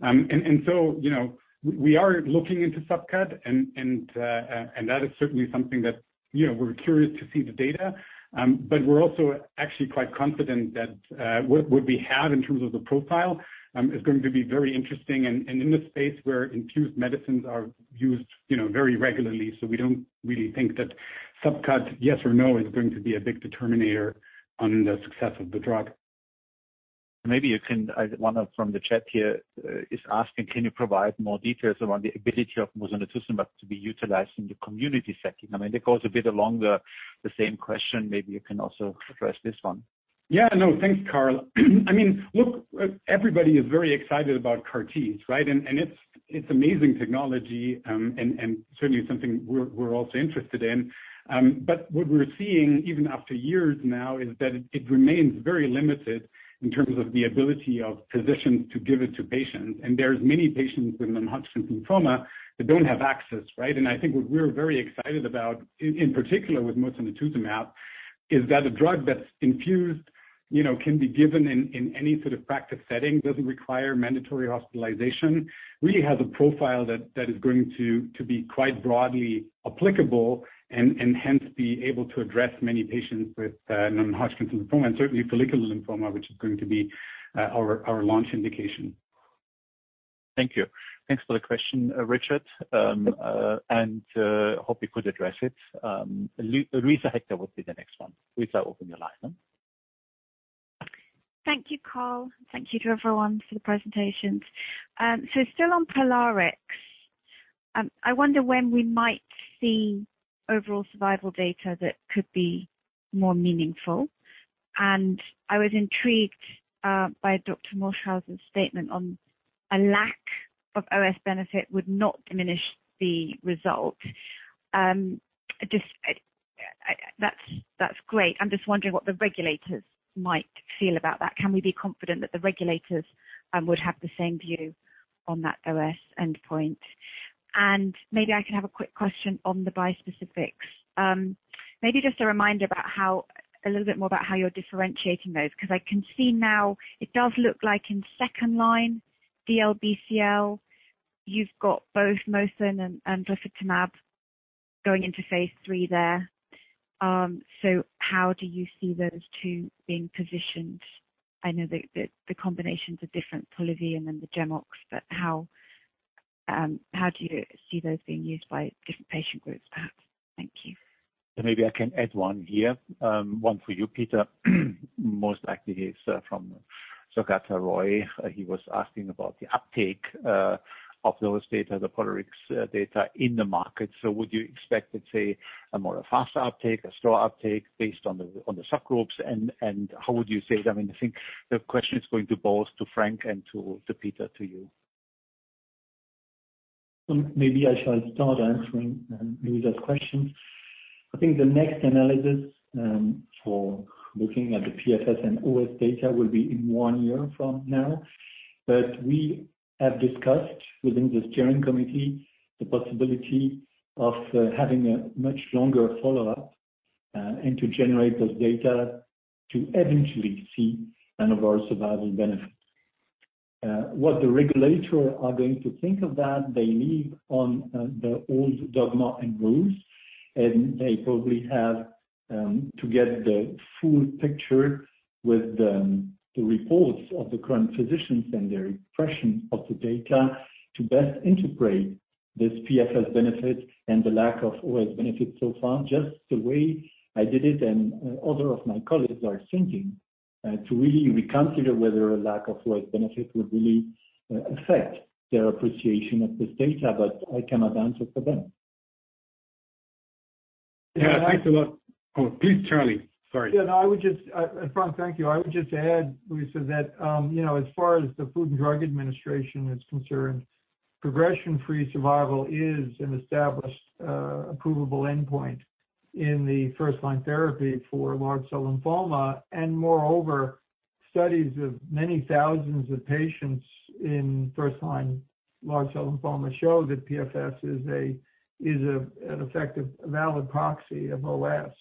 You know, we are looking into subcut, and that is certainly something that, you know, we're curious to see the data. We're also actually quite confident that what we have in terms of the profile is going to be very interesting and in this space where infused medicines are used, you know, very regularly. We don't really think that subcut, yes or no, is going to be a big determinant on the success of the drug. Maybe you can, one from the chat here is asking, can you provide more details around the ability of mosunetuzumab to be utilized in the community setting? I mean, it goes a bit along the same question. Maybe you can also address this one. Yeah. No, thanks, Karl. I mean, look, everybody is very excited about CAR-T, right? It's amazing technology, and certainly something we're also interested in. What we're seeing, even after years now, is that it remains very limited in terms of the ability of physicians to give it to patients. There's many patients with non-Hodgkin lymphoma that don't have access, right? I think what we're very excited about in particular with mosunetuzumab is that a drug that's infused, you know, can be given in any sort of practice setting, doesn't require mandatory hospitalization, really has a profile that is going to be quite broadly applicable and hence be able to address many patients with non-Hodgkin lymphoma and certainly follicular lymphoma, which is going to be our launch indication. Thank you. Thanks for the question, Richard. Hope you could address it. Luisa Hector will be the next one. Luisa, open your line. Thank you, Karl. Thank you to everyone for the presentations. Still on POLARIX, I wonder when we might see overall survival data that could be more meaningful. I was intrigued by Dr. Morschhäuser's statement on a lack of OS benefit would not diminish the result. Just, that's great. I'm just wondering what the regulators might feel about that. Can we be confident that the regulators would have the same view on that OS endpoint? Maybe I can have a quick question on the bispecifics. Maybe just a reminder about how you're differentiating those, because I can see now it does look like in second line DLBCL, you've got both Mosun and glofitamab going into phase III there. How do you see those two being positioned? I know the combinations are different, Polivy and then the GemOx, but how do you see those being used by different patient groups, perhaps? Thank you. Maybe I can add one here, one for you, Peter. Most likely it's from Sougato Roy. He was asking about the uptake of those data, the POLARIX data in the market. Would you expect, let's say, a more faster uptake, a slow uptake based on the subgroups? How would you say that? I mean, I think the question is going to both Franck and Peter, to you. Maybe I shall start answering Luisa's question. I think the next analysis for looking at the PFS and OS data will be in one year from now. We have discussed within the steering committee the possibility of having a much longer follow-up and to generate those data to eventually see an overall survival benefit. What the regulators are going to think of that, they'll lean on the old dogma and rules, and they probably have to get the full picture with the reports of the current physicians and their impression of the data to best integrate this PFS benefit and the lack of OS benefit so far, just the way I did it and other of my colleagues are thinking to really reconsider whether a lack of OS benefit would really affect their appreciation of this data. I cannot answer for them. Yeah. Thanks a lot. Oh, please, Charlie. Sorry. Franck, thank you. I would just add, Luisa, that, you know, as far as the Food and Drug Administration is concerned, progression-free survival is an established, approvable endpoint in the first-line therapy for large cell lymphoma. Moreover, studies of many thousands of patients in first-line large cell lymphoma show that PFS is an effective valid proxy of OS.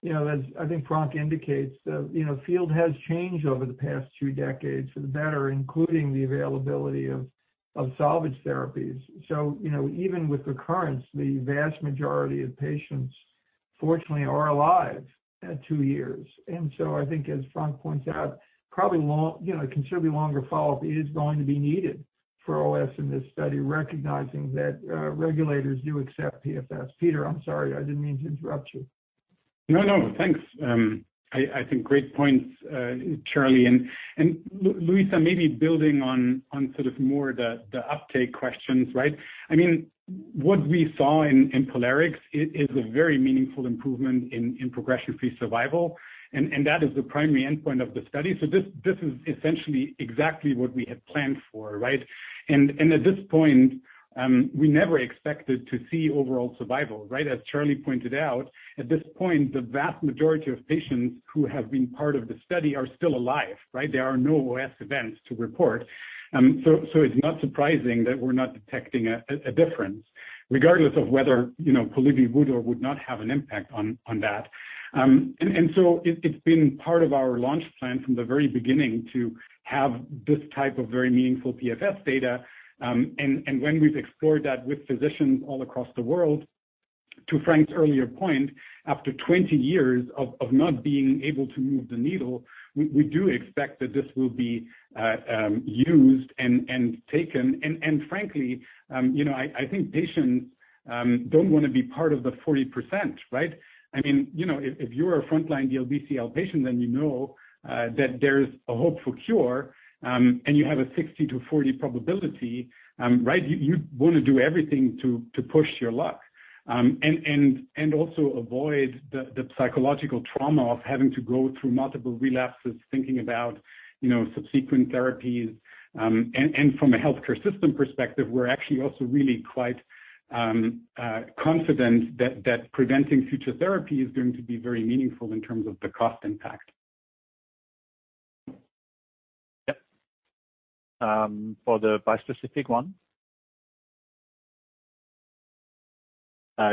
You know, as I think Franck indicates, the field has changed over the past two decades for the better, including the availability of salvage therapies. You know, even with recurrence, the vast majority of patients fortunately are alive at two years. I think as Franck points out, probably long, you know, considerably longer follow-up is going to be needed for OS in this study, recognizing that regulators do accept PFS. Peter, I'm sorry. I didn't mean to interrupt you. No, no, thanks. I think great points, Charlie. Luisa, maybe building on sort of more the uptake questions, right? I mean, what we saw in POLARIX is a very meaningful improvement in progression-free survival, and that is the primary endpoint of the study. This is essentially exactly what we had planned for, right? At this point, we never expected to see overall survival, right? As Charlie pointed out, at this point, the vast majority of patients who have been part of the study are still alive, right? There are no OS events to report. It's not surprising that we're not detecting a difference regardless of whether, you know, Polivy would or would not have an impact on that. It's been part of our launch plan from the very beginning to have this type of very meaningful PFS data. When we've explored that with physicians all across the world, to Franck's earlier point, after 20 years of not being able to move the needle, we do expect that this will be used and taken. Franckly, you know, I think patients don't wanna be part of the 40%, right? I mean, you know, if you're a frontline DLBCL patient, then you know that there's a hopeful cure, and you have a 60%-40% probability, right? You wanna do everything to push your luck. Also avoid the psychological trauma of having to go through multiple relapses, thinking about, you know, subsequent therapies. From a healthcare system perspective, we're actually also really quite confident that preventing future therapy is going to be very meaningful in terms of the cost impact. Yep. For the bispecific one.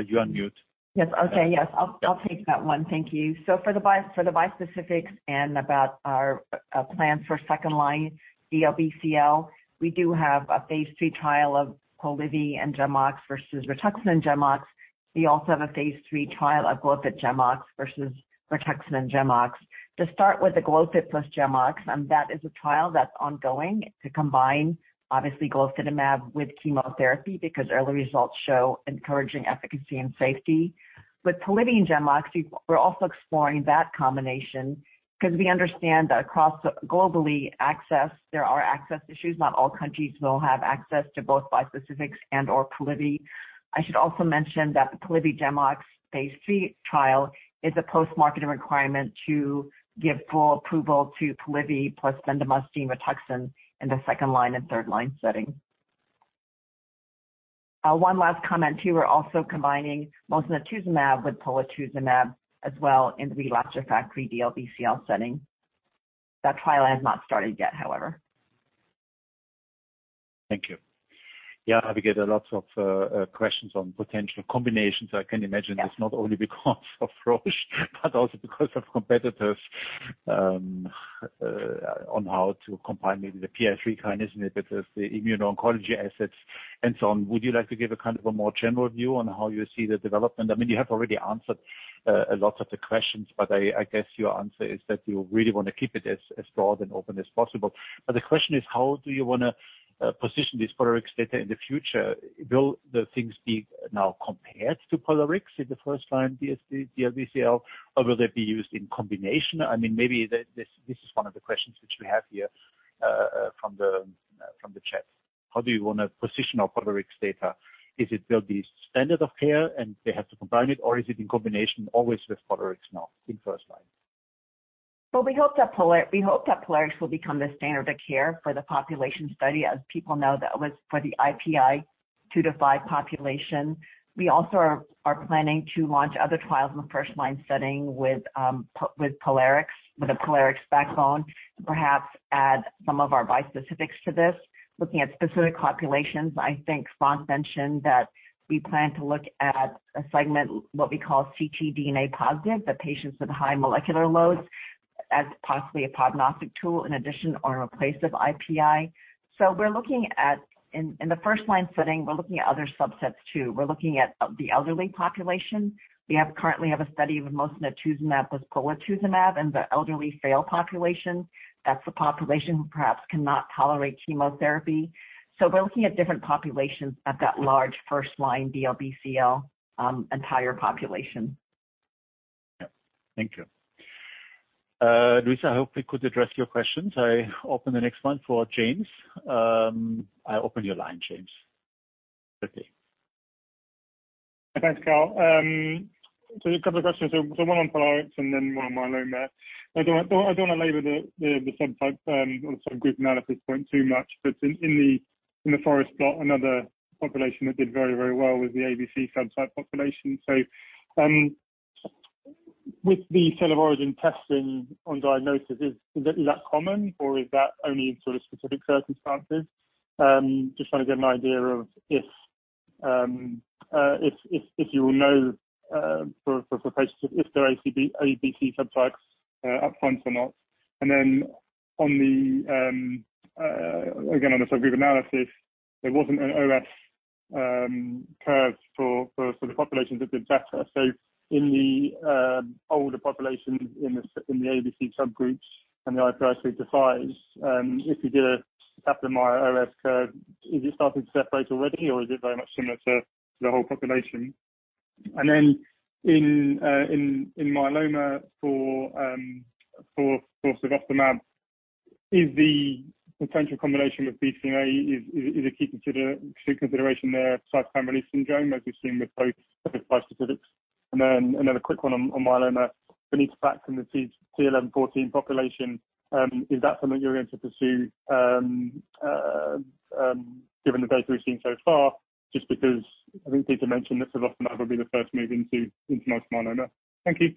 You're on mute. Yes. Okay. Yes. I'll take that one. Thank you. For the bispecifics and about our plans for second-line DLBCL, we do have a phase III trial of Polivy and GemOx versus Rituxan and GemOx. We also have a phase III trial of Glofit GemOx versus Rituxan and GemOx. To start with the Glofit plus GemOx, that is a trial that's ongoing to combine obviously glofitamab with chemotherapy because early results show encouraging efficacy and safety. With Polivy and GemOx, we're also exploring that combination because we understand that across the globe access, there are access issues. Not all countries will have access to both bispecifics and/or Polivy. I should also mention that the Polivy-GemOx phase III trial is a post-marketing requirement to give full approval to Polivy plus bendamustine Rituxan in the second-line and third-line setting. One last comment, too. We're also combining mosunetuzumab with polatuzumab as well in relapsed/refractory DLBCL setting. That trial has not started yet, however. Thank you. Yeah, we get a lot of questions on potential combinations. I can imagine. Yes It's not only because of Roche but also because of competitors on how to combine maybe the PI3K inhibitors with the immuno-oncology assets and so on. Would you like to give a kind of a more general view on how you see the development? I mean, you have already answered a lot of the questions, but I guess your answer is that you really wanna keep it as broad and open as possible. But the question is: How do you wanna position this POLARIX data in the future? Will the things be now compared to POLARIX in the first-line DLBCL, or will they be used in combination? I mean, maybe this is one of the questions which we have here from the chat. How do you wanna position our POLARIX data? Will it be standard of care and they have to combine it, or is it in combination always with POLARIX now in first-line? Well, we hope that POLARIX will become the standard of care for the population studied. As people know, that was for the IPI 2-5 population. We also are planning to launch other trials in the first-line setting with POLARIX, with a POLARIX backbone, to perhaps add some of our bispecifics to this. Looking at specific populations, I think Franck mentioned that we plan to look at a segment, what we call ctDNA positive, the patients with high molecular loads, as possibly a prognostic tool in addition or in place of IPI. In the first-line setting, we're looking at other subsets too. We're looking at the elderly population. We currently have a study of mosunetuzumab with polatuzumab in the elderly frail population. That's the population who perhaps cannot tolerate chemotherapy. We're looking at different populations at that large first-line DLBCL, entire population. Yeah. Thank you. Luisa, I hope we could address your questions. I open the next one for James. I open your line, James. Okay. Thanks, Karl. A couple of questions. One on POLARIX and then one on myeloma. I don't wanna labor the subtype or subgroup analysis point too much. But in the forest plot, another population that did very well was the ABC subtype population. With the cell of origin testing on diagnosis, is that common, or is that only in sort of specific circumstances? Just trying to get an idea of if you will know for patients if they're ABC subtypes up front or not. Then on the again on the subgroup analysis, there wasn't an OS curve for the populations that did better. In the older population in the ABC subgroups and the IPI 3-5, if you did a OS curve, is it starting to separate already or is it very much similar to the whole population? In myeloma for cevostamab, is the potential combination with BCMA a key consideration there, cytokine release syndrome, as we've seen with both bispecifics. Another quick one on myeloma. Venetoclax in the t(11;14) population, is that something you're going to pursue, given the data we've seen so far, just because I think Peter mentioned that cevostamab would be the first move into multiple myeloma. Thank you.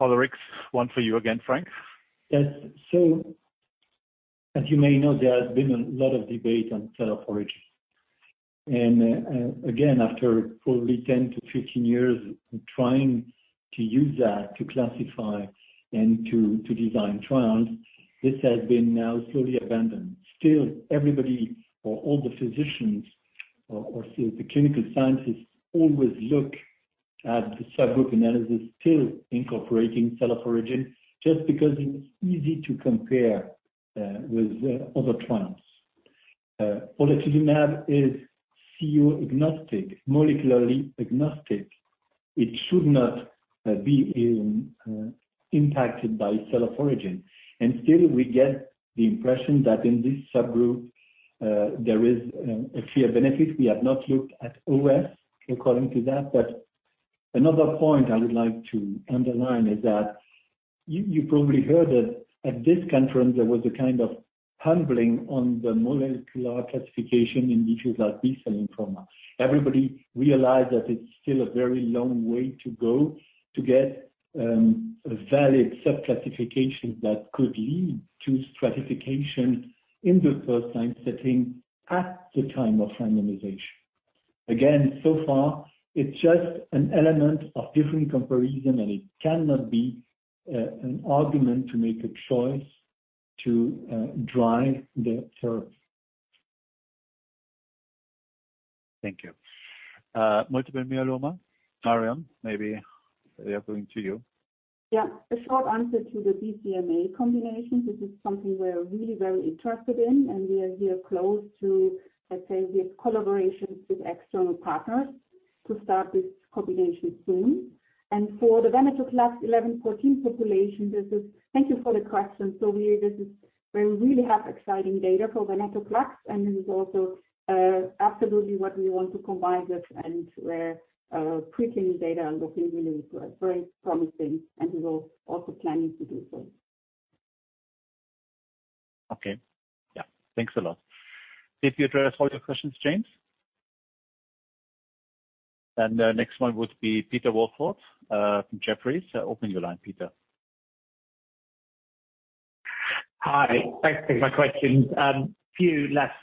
POLARIX, one for you again, Franck. Yes. As you may know, there has been a lot of debate on Cell of Origin. Again, after probably 10-15 years trying to use that to classify and to design trials, this has been now slowly abandoned. Still, everybody or all the physicians or still the clinical scientists always look at the subgroup analysis, still incorporating Cell of Origin just because it's easy to compare with other trials. Polatuzumab is COO agnostic, molecularly agnostic. It should not be impacted by Cell of Origin. Still we get the impression that in this subgroup there is a clear benefit. We have not looked at OS according to that. Another point I would like to underline is that you probably heard it at this conference. There was a kind of stumbling on the molecular classification in diseases like B-cell lymphoma. Everybody realized that it's still a very long way to go to get a valid subclassification that could lead to stratification in the first-line setting at the time of randomization. Again, so far it's just an element of different comparison, and it cannot be an argument to make a choice to drive the choice. Thank you. Multiple myeloma. Marion, maybe we are going to you. Yeah. A short answer to the BCMA combination. This is something we're really very interested in, and we are here close to, let's say, with collaborations with external partners to start this combination soon. For the venetoclax t(11;14) population, thank you for the question. This is where we really have exciting data for venetoclax, and this is also absolutely what we want to combine this. We're preclinical data looking really very promising, and we will also planning to do so. Okay. Yeah. Thanks a lot. Did you address all your questions, James? The next one would be Peter Welford from Jefferies. Open your line, Peter. Hi. Thanks for taking my questions. Few last.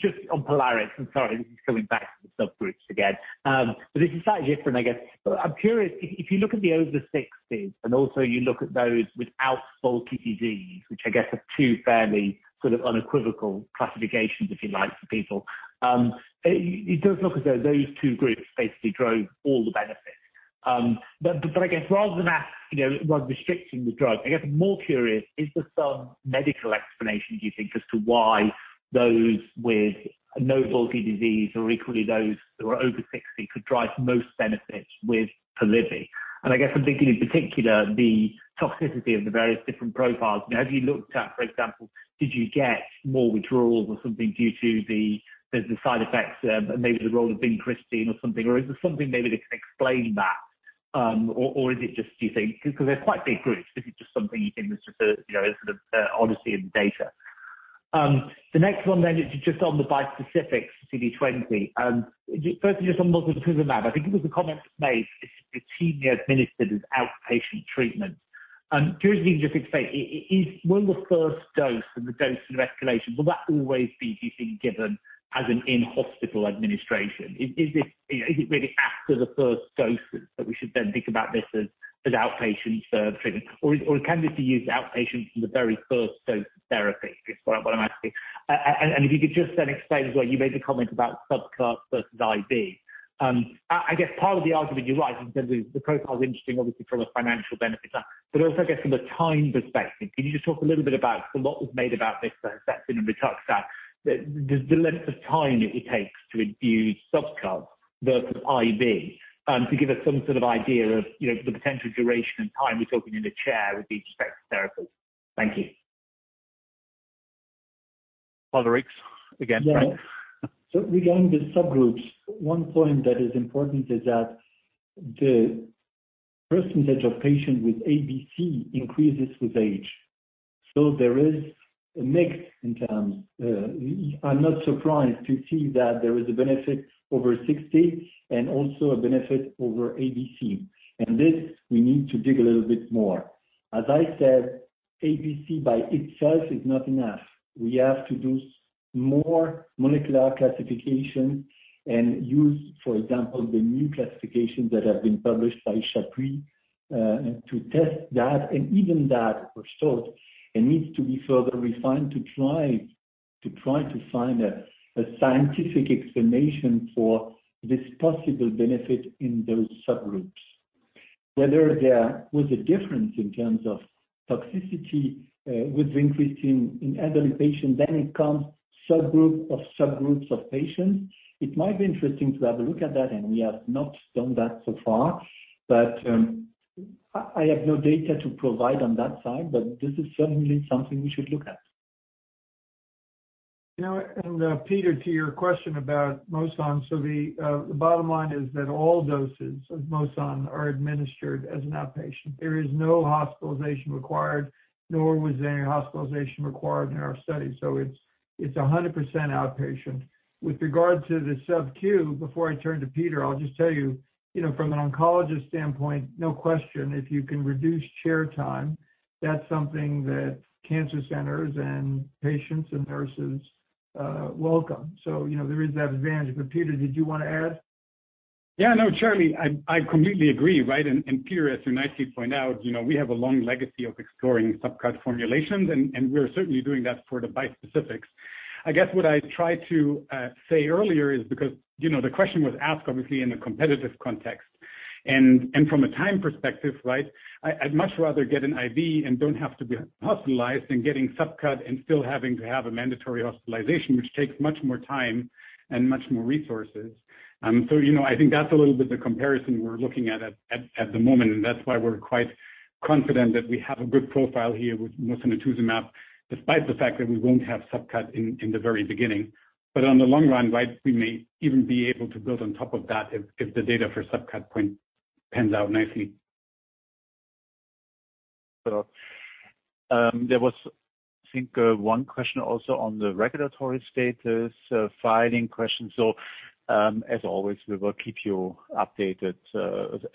Just on POLARIX, sorry this is going back to the subgroups again. But this is slightly different, I guess. I'm curious, if you look at the over sixties and also you look at those without bulky disease, which I guess are two fairly sort of unequivocal classifications, if you like, for people, it does look as though those two groups basically drove all the benefits. But I guess rather than ask, you know, rather than restricting the drug, I guess I'm more curious, is there some medical explanation do you think as to why those with no bulky disease or equally those who are over sixty could drive most benefits with Polivy? I guess I'm thinking in particular the toxicity of the various different profiles. You know, have you looked at, for example, did you get more withdrawals or something due to the side effects, and maybe the role of vincristine or something? Or is there something maybe that can explain that? Or is it just, do you think? 'Cause they're quite big groups, this is just something you think is just a sort of honesty in the data. The next one is just on the bispecific CD20. Firstly, just on polatuzumab, I think there was a comment made, it should be routinely administered as outpatient treatment. Curiously, just explain, will the first dose and the dose of escalation always be given as an in-hospital administration, do you think? Is this really after the first doses that we should then think about this as outpatient treatment? Or can this be used outpatient from the very first dose of therapy? Is what I'm asking. And if you could just then explain as well, you made the comment about subcut versus IV. I guess part of the argument you raised in terms of the profile's interesting obviously from a financial benefit. But also I guess from a time perspective, can you just talk a little bit about a lot was made about this at ASCO and EHA, the length of time that it takes to infuse subcut versus IV, to give us some sort of idea of, you know, the potential duration and time we're talking in a chair with these respective therapies. Thank you. POLARIX. Again, Franck Morschhauser. Regarding the subgroups, one point that is important is that the percentage of patients with ABC increases with age. There is a mix in terms, I'm not surprised to see that there is a benefit over 60 and also a benefit over ABC. This we need to dig a little bit more. As I said, ABC by itself is not enough. We have to do more molecular classification and use, for example, the new classification that have been published by Chapuy, and to test that, and even that result, it needs to be further refined to try to find a scientific explanation for this possible benefit in those subgroups. Whether there was a difference in terms of toxicity, with increasing in elderly patients, then it comes subgroup of subgroups of patients. It might be interesting to have a look at that, and we have not done that so far. I have no data to provide on that side, but this is certainly something we should look at. You know, Peter, to your question about Mosun. The bottom line is that all doses of Mosun are administered as an outpatient. There is no hospitalization required, nor was there any hospitalization required in our study. It's 100% outpatient. With regard to the sub Q, before I turn to Peter, I'll just tell you know, from an oncologist standpoint, no question, if you can reduce chair time, that's something that cancer centers and patients and nurses welcome. You know, there is that advantage. Peter, did you wanna add? Yeah, no, Charlie, I completely agree, right? Peter, as you nicely point out, you know, we have a long legacy of exploring subcut formulations, and we're certainly doing that for the bispecifics. I guess what I tried to say earlier is because, you know, the question was asked obviously in a competitive context. From a time perspective, right, I'd much rather get an IV and don't have to be hospitalized than getting subcut and still having to have a mandatory hospitalization, which takes much more time and much more resources. You know, I think that's a little bit the comparison we're looking at at the moment, and that's why we're quite confident that we have a good profile here with mosunetuzumab, despite the fact that we won't have subcut in the very beginning. On the long run, right, we may even be able to build on top of that if the data for subcut pans out nicely. There was, I think, one question also on the regulatory status, filing question. As always, we will keep you updated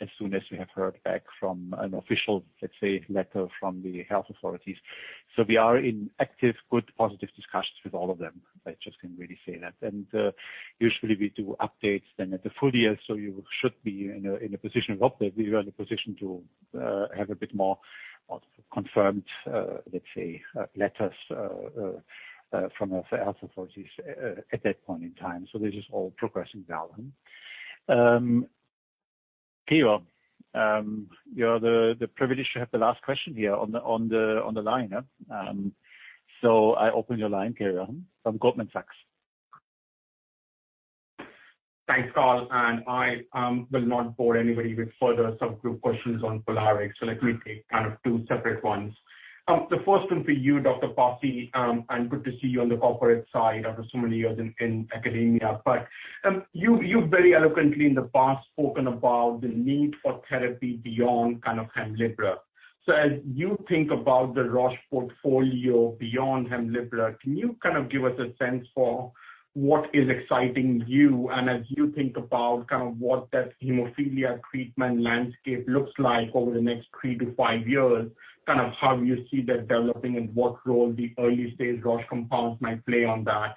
as soon as we have heard back from an official, let's say, letter from the health authorities. We are in active, good, positive discussions with all of them. I just can really say that. Usually we do updates then at the full year, so you should be in a position of update. We are in a position to have a bit more confirmed, let's say, letters from the health authorities at that point in time. This is all progressing well. Keyur, you have the privilege to have the last question here on the line. I open your line, Keyur, from Goldman Sachs. Thanks, Karl. I will not bore anybody with further subgroup questions on POLARIX. Let me take kind of two separate ones. The first one for you, Dr. Passey. Good to see you on the corporate side after so many years in academia. You've very eloquently in the past spoken about the need for therapy beyond kind of Hemlibra. As you think about the Roche portfolio beyond Hemlibra, can you kind of give us a sense for what is exciting you? As you think about kind of what that hemophilia treatment landscape looks like over the next three to five years, kind of how you see that developing and what role the early-stage Roche compounds might play on that.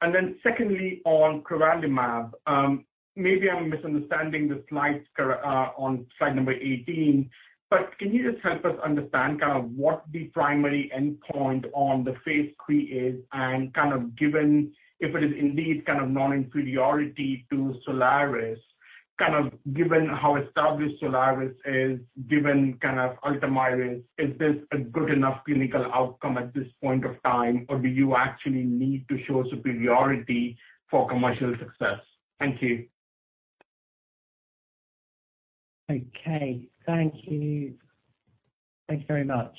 Then secondly, on crovalimab. Maybe I'm misunderstanding the slides on slide number 18. Can you just help us understand kind of what the primary endpoint on the phase III is? Kind of given if it is indeed kind of non-inferiority to Soliris, kind of given how established Soliris is, given kind of Ultomiris, is this a good enough clinical outcome at this point of time, or do you actually need to show superiority for commercial success? Thank you. Okay. Thank you. Thank you very much.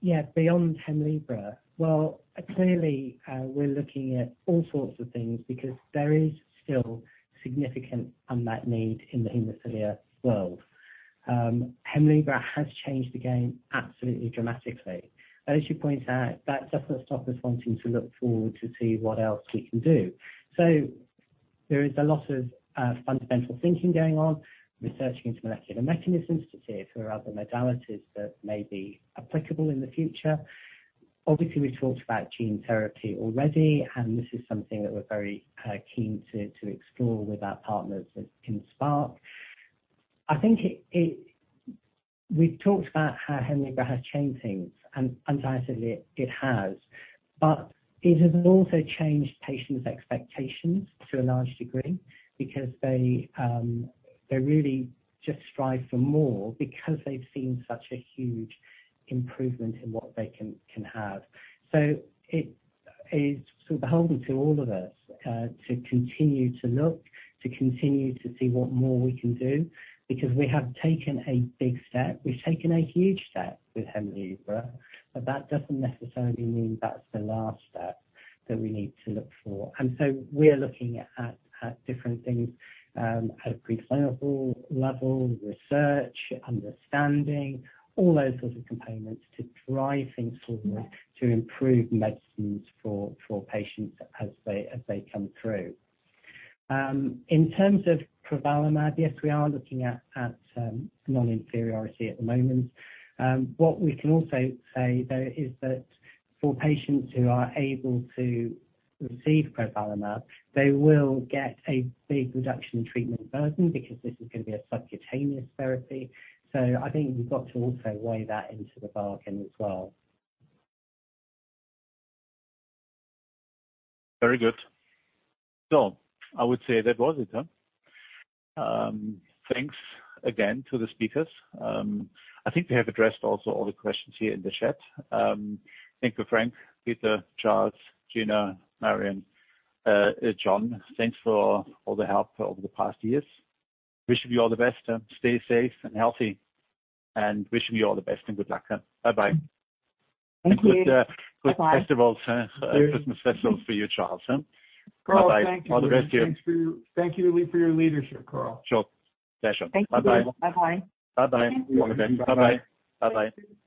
Yeah, beyond Hemlibra. Well, clearly, we're looking at all sorts of things because there is still significant unmet need in the hemophilia world. Hemlibra has changed the game absolutely dramatically. As you point out, that doesn't stop us wanting to look forward to see what else we can do. There is a lot of fundamental thinking going on, researching into molecular mechanisms to see if there are other modalities that may be applicable in the future. Obviously, we talked about gene therapy already, and this is something that we're very keen to explore with our partners in Spark. I think it. We've talked about how Hemlibra has changed things, and undoubtedly it has. It has also changed patients' expectations to a large degree because they really just strive for more because they've seen such a huge improvement in what they can have. It is sort of beholden to all of us to continue to look, to continue to see what more we can do, because we have taken a big step. We've taken a huge step with Hemlibra, but that doesn't necessarily mean that's the last step that we need to look for. We're looking at different things at a preclinical level, research, understanding, all those sorts of components to drive things forward to improve medicines for patients as they come through. In terms of crovalimab, yes, we are looking at non-inferiority at the moment. What we can also say, though, is that for patients who are able to receive crovalimab, they will get a big reduction in treatment burden because this is gonna be a subcutaneous therapy. I think you've got to also weigh that into the bargain as well. Very good. I would say that was it, huh? Thanks again to the speakers. I think we have addressed also all the questions here in the chat. Thank you, Franck, Peter, Charles, Ginna, Marion, John. Thanks for all the help over the past years. Wish you all the best, and stay safe and healthy. Wish you all the best and good luck. Bye-bye. Thank you. Bye-bye. Good Christmas festival for you, Charles. Karl, thank you. Bye-bye. All the best to you. Thank you, really, for your leadership, Karl. Sure. Pleasure. Thank you. Bye-bye. Bye-bye. Bye-bye. All the best. Bye-bye. Bye-bye.